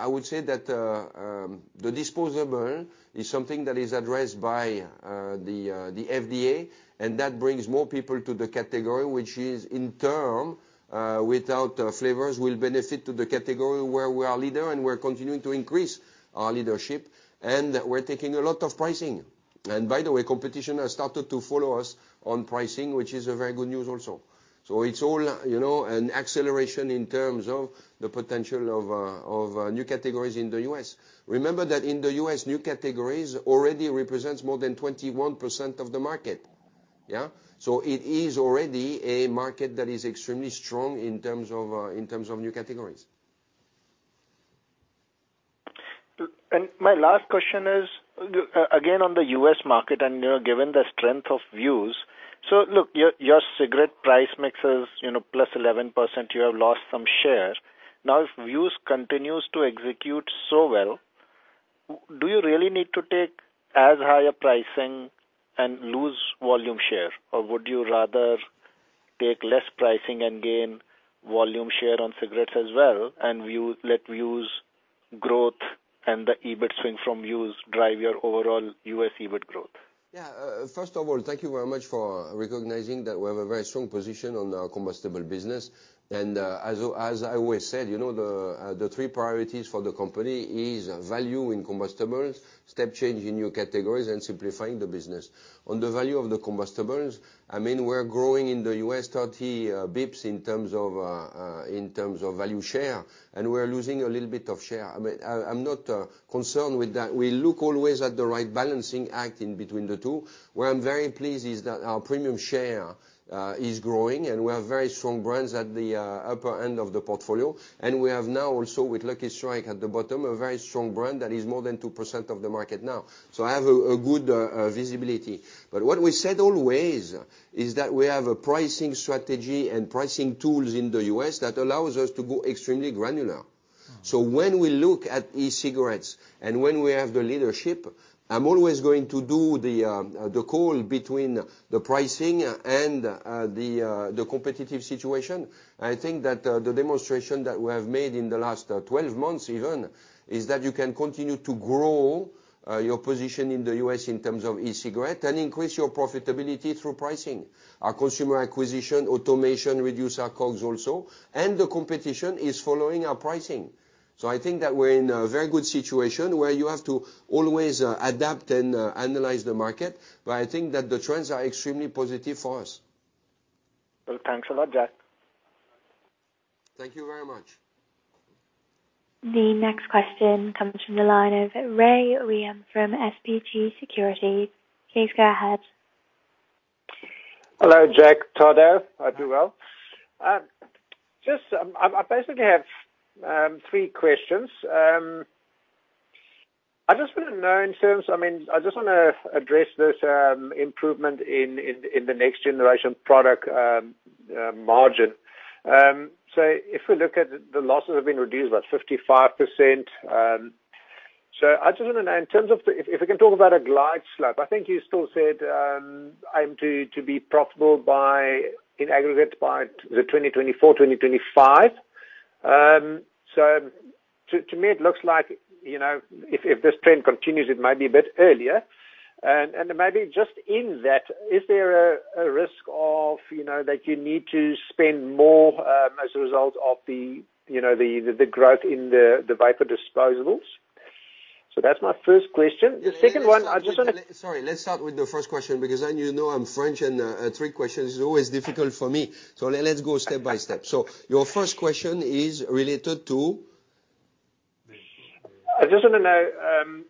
I would say that the disposable is something that is addressed by the FDA, and that brings more people to the category, which in turn without flavors will benefit to the category where we are leader, and we're continuing to increase our leadership. We're taking a lot of pricing. By the way, competition has started to follow us on pricing, which is a very good news also. It's all, you know, an acceleration in terms of the potential of new categories in the U.S. Remember that in the U.S., new categories already represents more than 21% of the market. Yeah? It is already a market that is extremely strong in terms of new categories. My last question is, again, on the U.S. market and, you know, given the strength of Vuse. Look, your cigarette price mix is, you know, +11%. You have lost some share. Now, if Vuse continues to execute so well, do you really need to take as high a pricing and lose volume share, or would you rather take less pricing and gain volume share on cigarettes as well, and Vuse, let Vuse growth and the EBIT swing from Vuse drive your overall U.S. EBIT growth? Yeah. First of all, thank you very much for recognizing that we have a very strong position on our combustible business. As I always said, you know, the three priorities for the company is value in combustibles, step change in new categories, and simplifying the business. On the value of the combustibles, I mean, we're growing in the U.S. 30 basis points in terms of value share, and we're losing a little bit of share. I'm not concerned with that. We look always at the right balancing act in between the two. Where I'm very pleased is that our premium share is growing, and we have very strong brands at the upper end of the portfolio. We have now also with Lucky Strike at the bottom, a very strong brand that is more than 2% of the market now. I have a good visibility. But what we said always, is that we have a pricing strategy and pricing tools in the U.S. that allows us to go extremely granular. Mm. When we look at e-cigarettes and when we have the leadership, I'm always going to do the call between the pricing and the competitive situation. I think that the demonstration that we have made in the last 12 months even is that you can continue to grow your position in the U.S. in terms of e-cigarette and increase your profitability through pricing. Our consumer acquisition, automation, reduce our costs also, and the competition is following our pricing. I think that we're in a very good situation where you have to always adapt and analyze the market, but I think that the trends are extremely positive for us. Well, thanks a lot, Jack Bowles. Thank you very much. The next question comes from the line of Rey Wium from SBG Securities. Please go ahead. Hello, Jack Bowles. Todd here. I do well. Just, I basically have three questions. I just wanna know. I mean, I just wanna address this improvement in the next generation product margin. So if we look at the losses have been reduced by 55%. So I just wanna know in terms of the. If we can talk about a glide slope. I think you still said aim to be profitable by, in aggregate by the 2024/2025. So to me it looks like, you know, if this trend continues, it may be a bit earlier. Maybe just in that, is there a risk, you know, that you need to spend more as a result of, you know, the growth in the vapor disposables? That's my first question. The second one, I just wanna. Sorry, let's start with the first question because then you know I'm French and, three questions is always difficult for me. Let's go step by step. Your first question is related to? I just wanna know.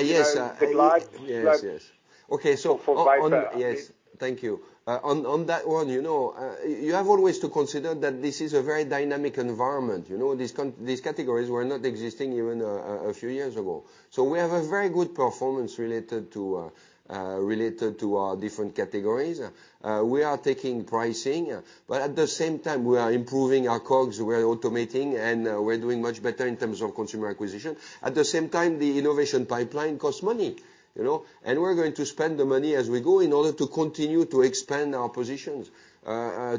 Yes. You know, the glide slope. Yes. Okay. for vapor. Yes. Thank you. On that one, you know, you have always to consider that this is a very dynamic environment. You know, these categories were not existing even a few years ago. We have a very good performance related to our different categories. We are taking pricing, but at the same time we are improving our costs, we're automating, and we're doing much better in terms of consumer acquisition. At the same time, the innovation pipeline costs money, you know. We're going to spend the money as we go in order to continue to expand our positions.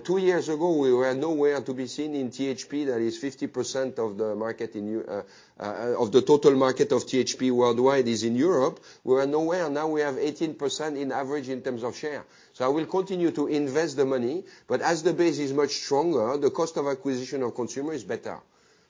Two years ago, we were nowhere to be seen in THP. That is 50% of the market of the total market of THP worldwide is in Europe. We were nowhere. Now we have 18% on average in terms of share. I will continue to invest the money, but as the base is much stronger, the cost of acquisition of consumer is better.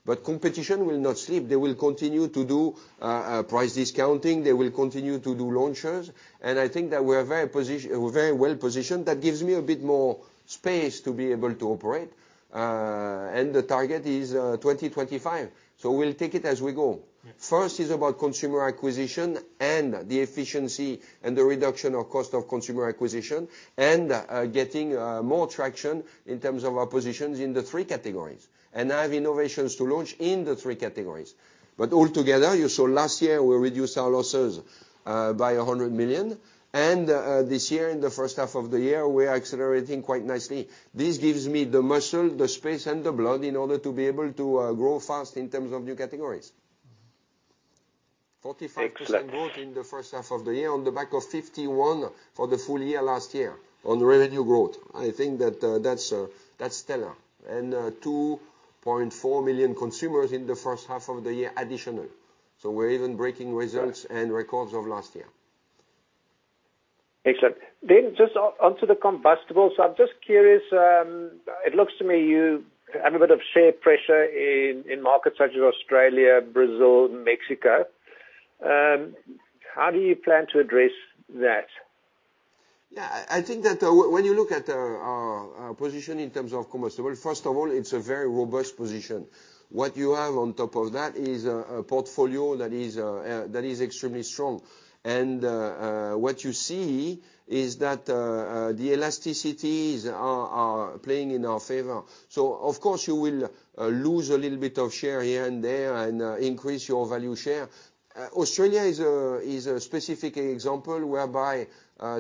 Competition will not sleep. They will continue to do price discounting, they will continue to do launches, and I think that we're very well positioned. That gives me a bit more space to be able to operate. The target is 2025. We'll take it as we go. Yeah. First is about consumer acquisition and the efficiency and the reduction of cost of consumer acquisition and getting more traction in terms of our positions in the three categories. I have innovations to launch in the three categories. Altogether, you saw last year we reduced our losses by 100 million. This year, in the first half of the year, we are accelerating quite nicely. This gives me the muscle, the space, and the blood in order to be able to grow fast in terms of new categories. Excellent. 45% growth in the first half of the year on the back of 51% for the full year last year on revenue growth. I think that's stellar. 2.4 million consumers in the first half of the year additional. We're even breaking results and records of last year. Excellent. Just on, onto the combustibles, I'm just curious, it looks to me you have a bit of share pressure in markets such as Australia, Brazil, Mexico. How do you plan to address that? Yeah. I think that when you look at our position in terms of combustible, first of all, it's a very robust position. What you have on top of that is a portfolio that is extremely strong. What you see is that the elasticities are playing in our favor. Of course you will lose a little bit of share here and there and increase your value share. Australia is a specific example whereby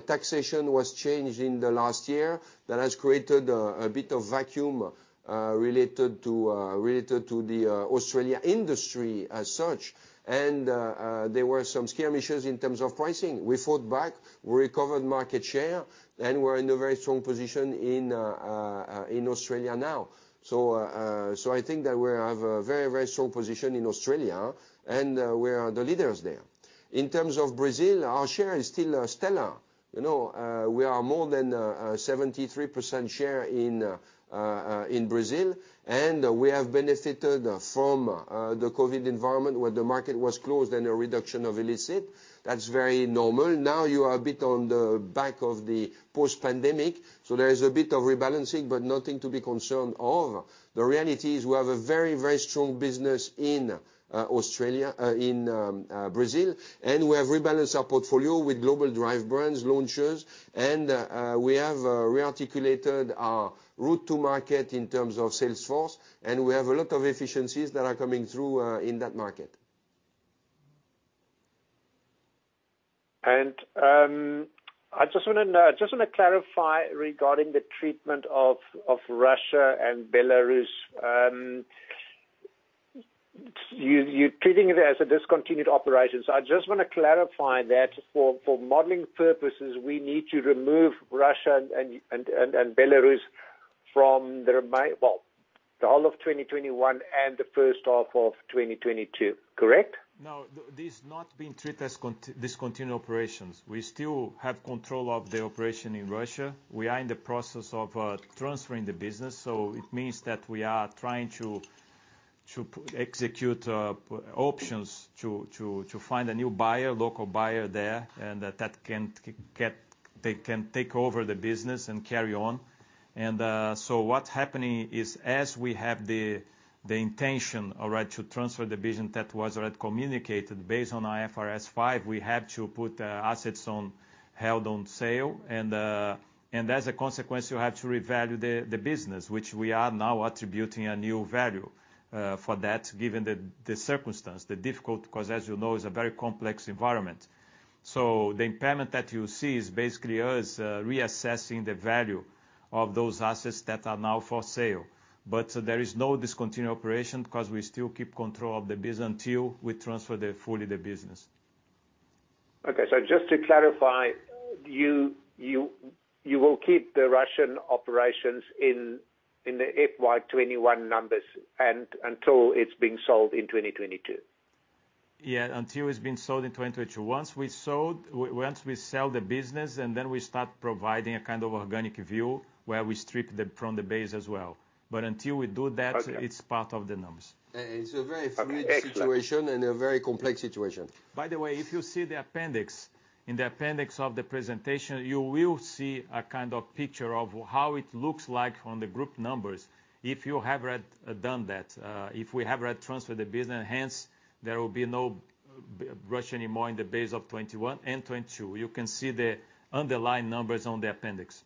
taxation was changed in the last year. That has created a bit of vacuum related to the Australian industry as such. There were some skirmishes in terms of pricing. We fought back, we recovered market share, and we're in a very strong position in Australia now. I think that we have a very, very strong position in Australia, and we are the leaders there. In terms of Brazil, our share is still stellar. You know, we are more than 73% share in Brazil, and we have benefited from the COVID environment where the market was closed and a reduction of illicit. That's very normal. Now you are a bit on the back of the post-pandemic, so there is a bit of rebalancing, but nothing to be concerned of. The reality is we have a very, very strong business in Australia, in Brazil, and we have rebalanced our portfolio with global drive brands launches and we have re-articulated our route to market in terms of sales force, and we have a lot of efficiencies that are coming through in that market. I just wanna know, I just wanna clarify regarding the treatment of Russia and Belarus. You're treating it as a discontinued operation. I just wanna clarify that for modeling purposes, we need to remove Russia and Belarus from, well, the whole of 2021 and the first half of 2022. Correct? No. This is not being treated as discontinued operations. We still have control of the operation in Russia. We are in the process of transferring the business, so it means that we are trying to execute options to find a new local buyer there, and they can take over the business and carry on. What's happening is as we have the intention to transfer the business that was already communicated, based on IFRS 5, we had to put assets held for sale and as a consequence, you have to revalue the business, which we are now attributing a new value for that, given the circumstance, the difficult, 'cause as you know, it's a very complex environment. The impairment that you see is basically us reassessing the value of those assets that are now for sale. There is no discontinued operation because we still keep control of the business until we fully transfer the business. Okay, just to clarify, you will keep the Russian operations in the FY 2021 numbers and until it's being sold in 2022? Yeah, until it's been sold in 2022. Once we sell the business, and then we start providing a kind of organic view, where we strip the from the base as well. Until we do that. Okay. It's part of the numbers. It's a very fluid situation. Okay. a very complex situation. By the way, if you see the appendix, in the appendix of the presentation, you will see a kind of picture of how it looks like on the group numbers if you have already done that, if we have already transferred the business. Hence, there will be no Russia anymore in the base of 2021 and 2022. You can see the underlying numbers on the appendix.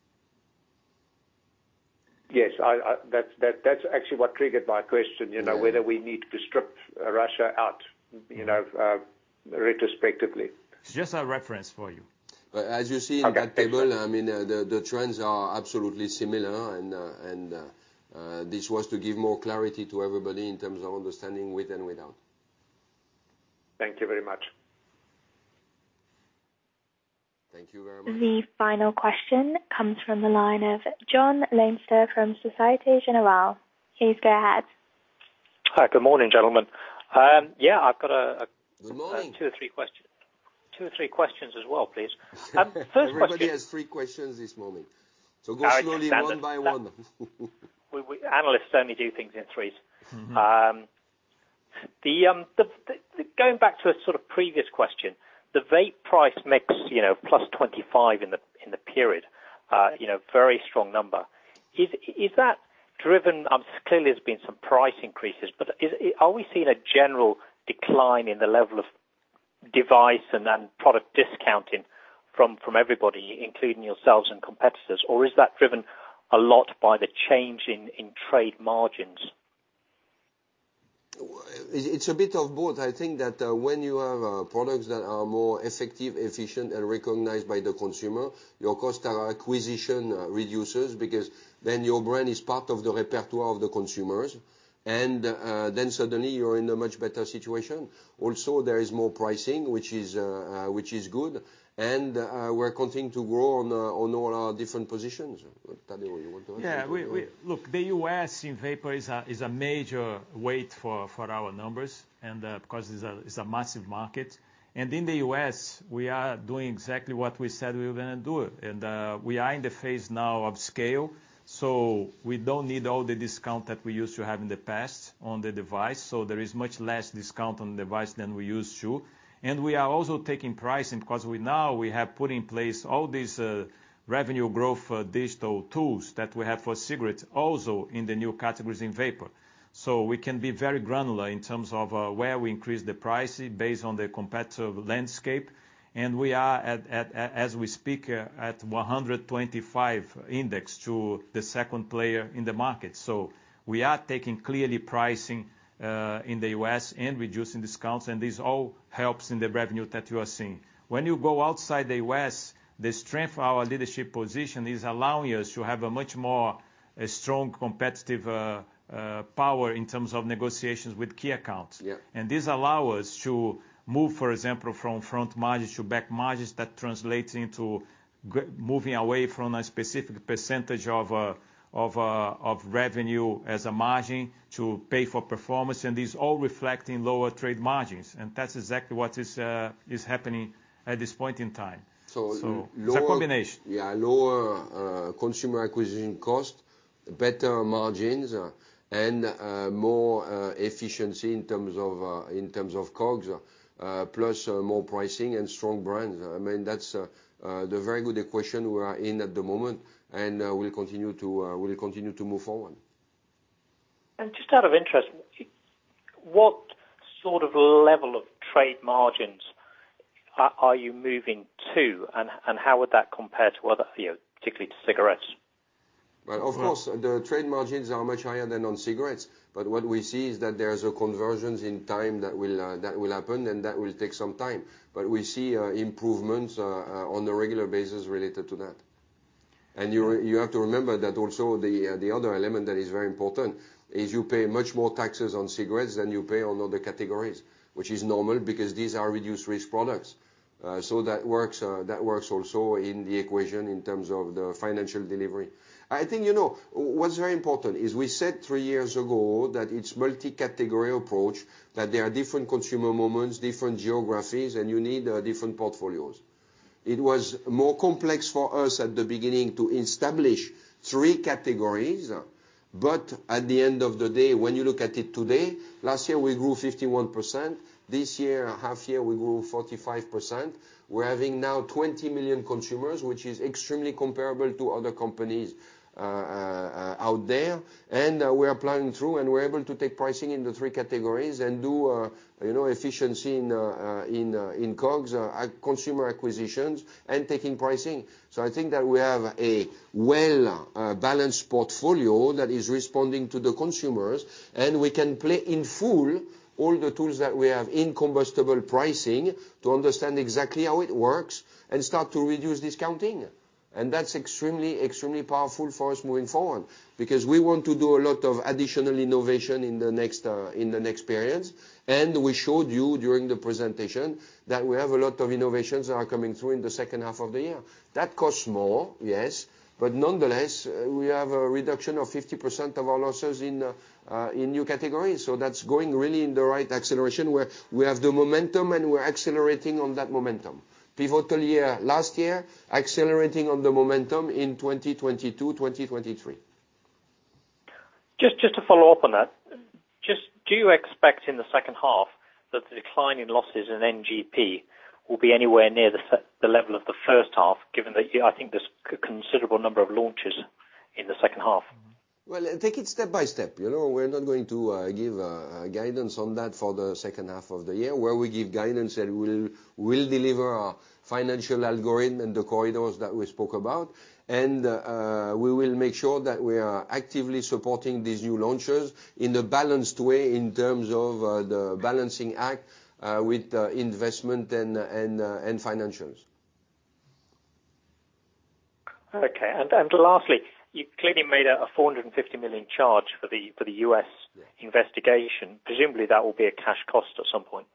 Yes. That's actually what triggered my question, you know. Yeah. Whether we need to strip Russia out, you know, retrospectively. Just a reference for you. As you see in that table. Okay. I mean, the trends are absolutely similar and this was to give more clarity to everybody in terms of understanding with and without. Thank you very much. Thank you very much. The final question comes from the line of Jon Leinster from Société Générale. Please go ahead. Hi, good morning, gentlemen. Yeah, I've got a Good morning. two or three questions as well, please. First question- Everybody has three questions this morning. Uh, that's- Go slowly one by one. Analysts only do things in threes. Mm-hmm. Going back to a sort of previous question, the vape price mix, you know, +25% in the period, you know, very strong number. Is that driven. Clearly there's been some price increases, but are we seeing a general decline in the level of device and then product discounting from everybody, including yourselves and competitors? Or is that driven a lot by the change in trade margins? It's a bit of both. I think that when you have products that are more effective, efficient, and recognized by the consumer, your cost of acquisition reduces because then your brand is part of the repertoire of the consumers. Then suddenly you're in a much better situation. Also, there is more pricing, which is good. We're continuing to grow on all our different positions. Tadeu, you want to add anything? Yeah. Look, the U.S. in vapor is a major weight for our numbers because it's a massive market. In the U.S., we are doing exactly what we said we were gonna do. We are in the phase now of scale, so we don't need all the discount that we used to have in the past on the device. There is much less discount on device than we used to. We are also taking pricing because we now have put in place all these revenue growth digital tools that we have for cigarettes, also in the new categories in vapor. We can be very granular in terms of where we increase the pricing based on the competitive landscape. We are at, as we speak, at 125 index to the second player in the market. We are taking clear pricing in the US and reducing discounts, and this all helps in the revenue that you are seeing. When you go outside the US, the strength of our leadership position is allowing us to have a much more strong, competitive power in terms of negotiations with key accounts. Yeah. This allows us to move, for example, from front margins to back margins that translates into moving away from a specific percentage of revenue as a margin to pay for performance, and this all reflects in lower trade margins, and that's exactly what is happening at this point in time. So lower- It's a combination. Yeah. Lower consumer acquisition cost. Better margins and more efficiency in terms of COGS, plus more pricing and strong brands. I mean, that's the very good equation we are in at the moment, and we'll continue to move forward. Just out of interest, what sort of level of trade margins are you moving to? How would that compare to other fields, particularly to cigarettes? Well, of course, the trade margins are much higher than on cigarettes. What we see is that there's a convergence in time that will happen, and that will take some time. We see improvements on a regular basis related to that. You have to remember that also the other element that is very important is you pay much more taxes on cigarettes than you pay on other categories, which is normal because these are reduced-risk products. That works also in the equation in terms of the financial delivery. I think, you know, what's very important is we said three years ago that it's multi-category approach, that there are different consumer moments, different geographies, and you need different portfolios. It was more complex for us at the beginning to establish three categories. At the end of the day, when you look at it today, last year we grew 51%. This year, half year, we grew 45%. We're having now 20 million consumers, which is extremely comparable to other companies out there. We are planning through, and we're able to take pricing in the three categories and do you know, efficiency in COGS at consumer acquisitions and taking pricing. I think that we have a well balanced portfolio that is responding to the consumers, and we can play in full all the tools that we have in combustible pricing to understand exactly how it works and start to reduce discounting. That's extremely powerful for us moving forward because we want to do a lot of additional innovation in the next period. We showed you during the presentation that we have a lot of innovations that are coming through in the H2 of the year. That costs more, yes. Nonetheless, we have a reduction of 50% of our losses in new categories, so that's going really in the right acceleration, where we have the momentum and we're accelerating on that momentum. Pivotal year last year, accelerating on the momentum in 2022, 2023. Just to follow up on that. Just do you expect in the H2 that the decline in losses in NGP will be anywhere near the level of the first half, given that, yeah, I think there's considerable number of launches in the H2? Well, take it step by step, you know? We're not going to give guidance on that for the H2 of the year. Where we give guidance, we'll deliver our financial algorithm and the corridors that we spoke about. We will make sure that we are actively supporting these new launches in a balanced way in terms of the balancing act with investment and financials. Okay. Lastly, you clearly made a 450 million charge for the U.S. Yeah. Investigation. Presumably, that will be a cash cost at some point.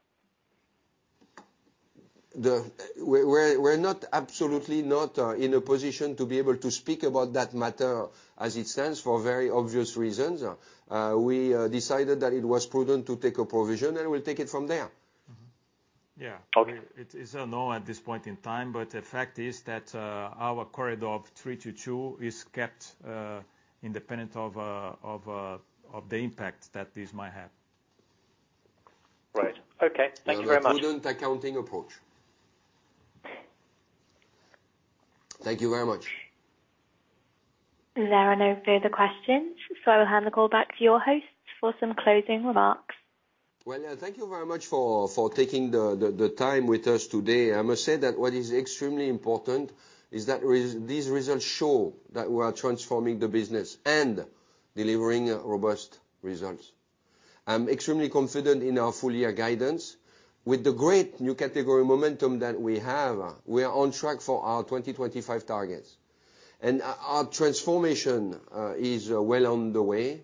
We're not, absolutely not, in a position to be able to speak about that matter as it stands for very obvious reasons. We decided that it was prudent to take a provision, and we'll take it from there. Mm-hmm. Yeah. Okay. It is a no at this point in time, but the fact is that our corridor of 3 to 2 is kept independent of the impact that this might have. Right. Okay. Thank you very much. Prudent accounting approach. Thank you very much. There are no further questions, so I will hand the call back to your host for some closing remarks. Thank you very much for taking the time with us today. I must say that what is extremely important is that these results show that we are transforming the business and delivering robust results. I'm extremely confident in our full year guidance. With the great new category momentum that we have, we are on track for our 2025 targets. Our transformation is well on the way.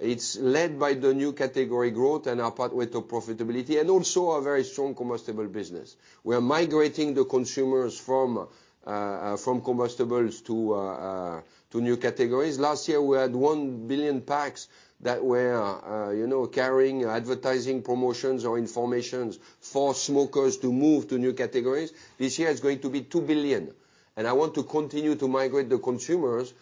It's led by the new category growth and our pathway to profitability and also our very strong combustible business. We are migrating the consumers from combustibles to new categories. Last year, we had 1 billion packs that were, you know, carrying advertising promotions or information for smokers to move to new categories. This year it's going to be 2 billion. I want to continue to migrate the consumers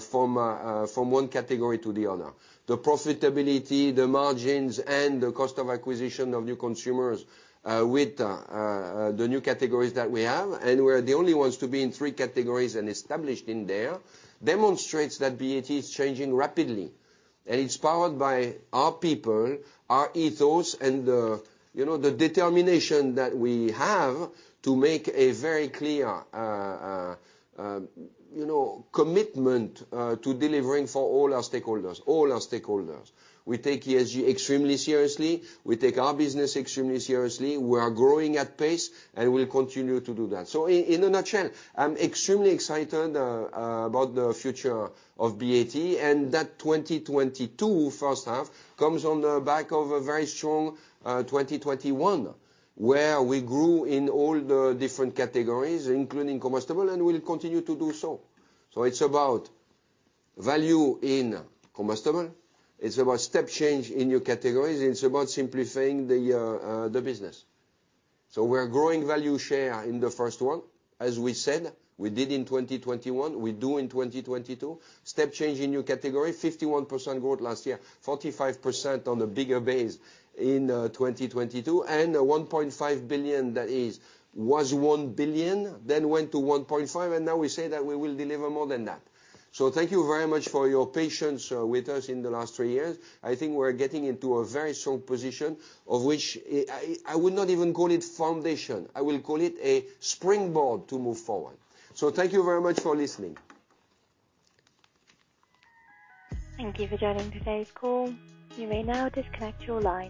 from one category to the other. The profitability, the margins, and the cost of acquisition of new consumers with the new categories that we have, and we're the only ones to be in three categories and established in there, demonstrates that BAT is changing rapidly. It's powered by our people, our ethos and the, you know, the determination that we have to make a very clear, you know, commitment to delivering for all our stakeholders. We take ESG extremely seriously. We take our business extremely seriously. We are growing at pace, and we'll continue to do that. In a nutshell, I'm extremely excited about the future of BAT, and that 2022 first half comes on the back of a very strong 2021, where we grew in all the different categories, including combustible, and we'll continue to do so. It's about value in combustible. It's about step change in new categories. It's about simplifying the business. We're growing value share in the first one. As we said, we did in 2021. We do in 2022. Step change in new category, 51% growth last year. 45% on the bigger base in 2022, and a 1.5 billion, that is, was 1 billion, then went to 1.5 billion, and now we say that we will deliver more than that. Thank you very much for your patience with us in the last three years. I think we're getting into a very strong position of which I would not even call it foundation. I will call it a springboard to move forward. Thank you very much for listening. Thank you for joining today's call. You may now disconnect your line.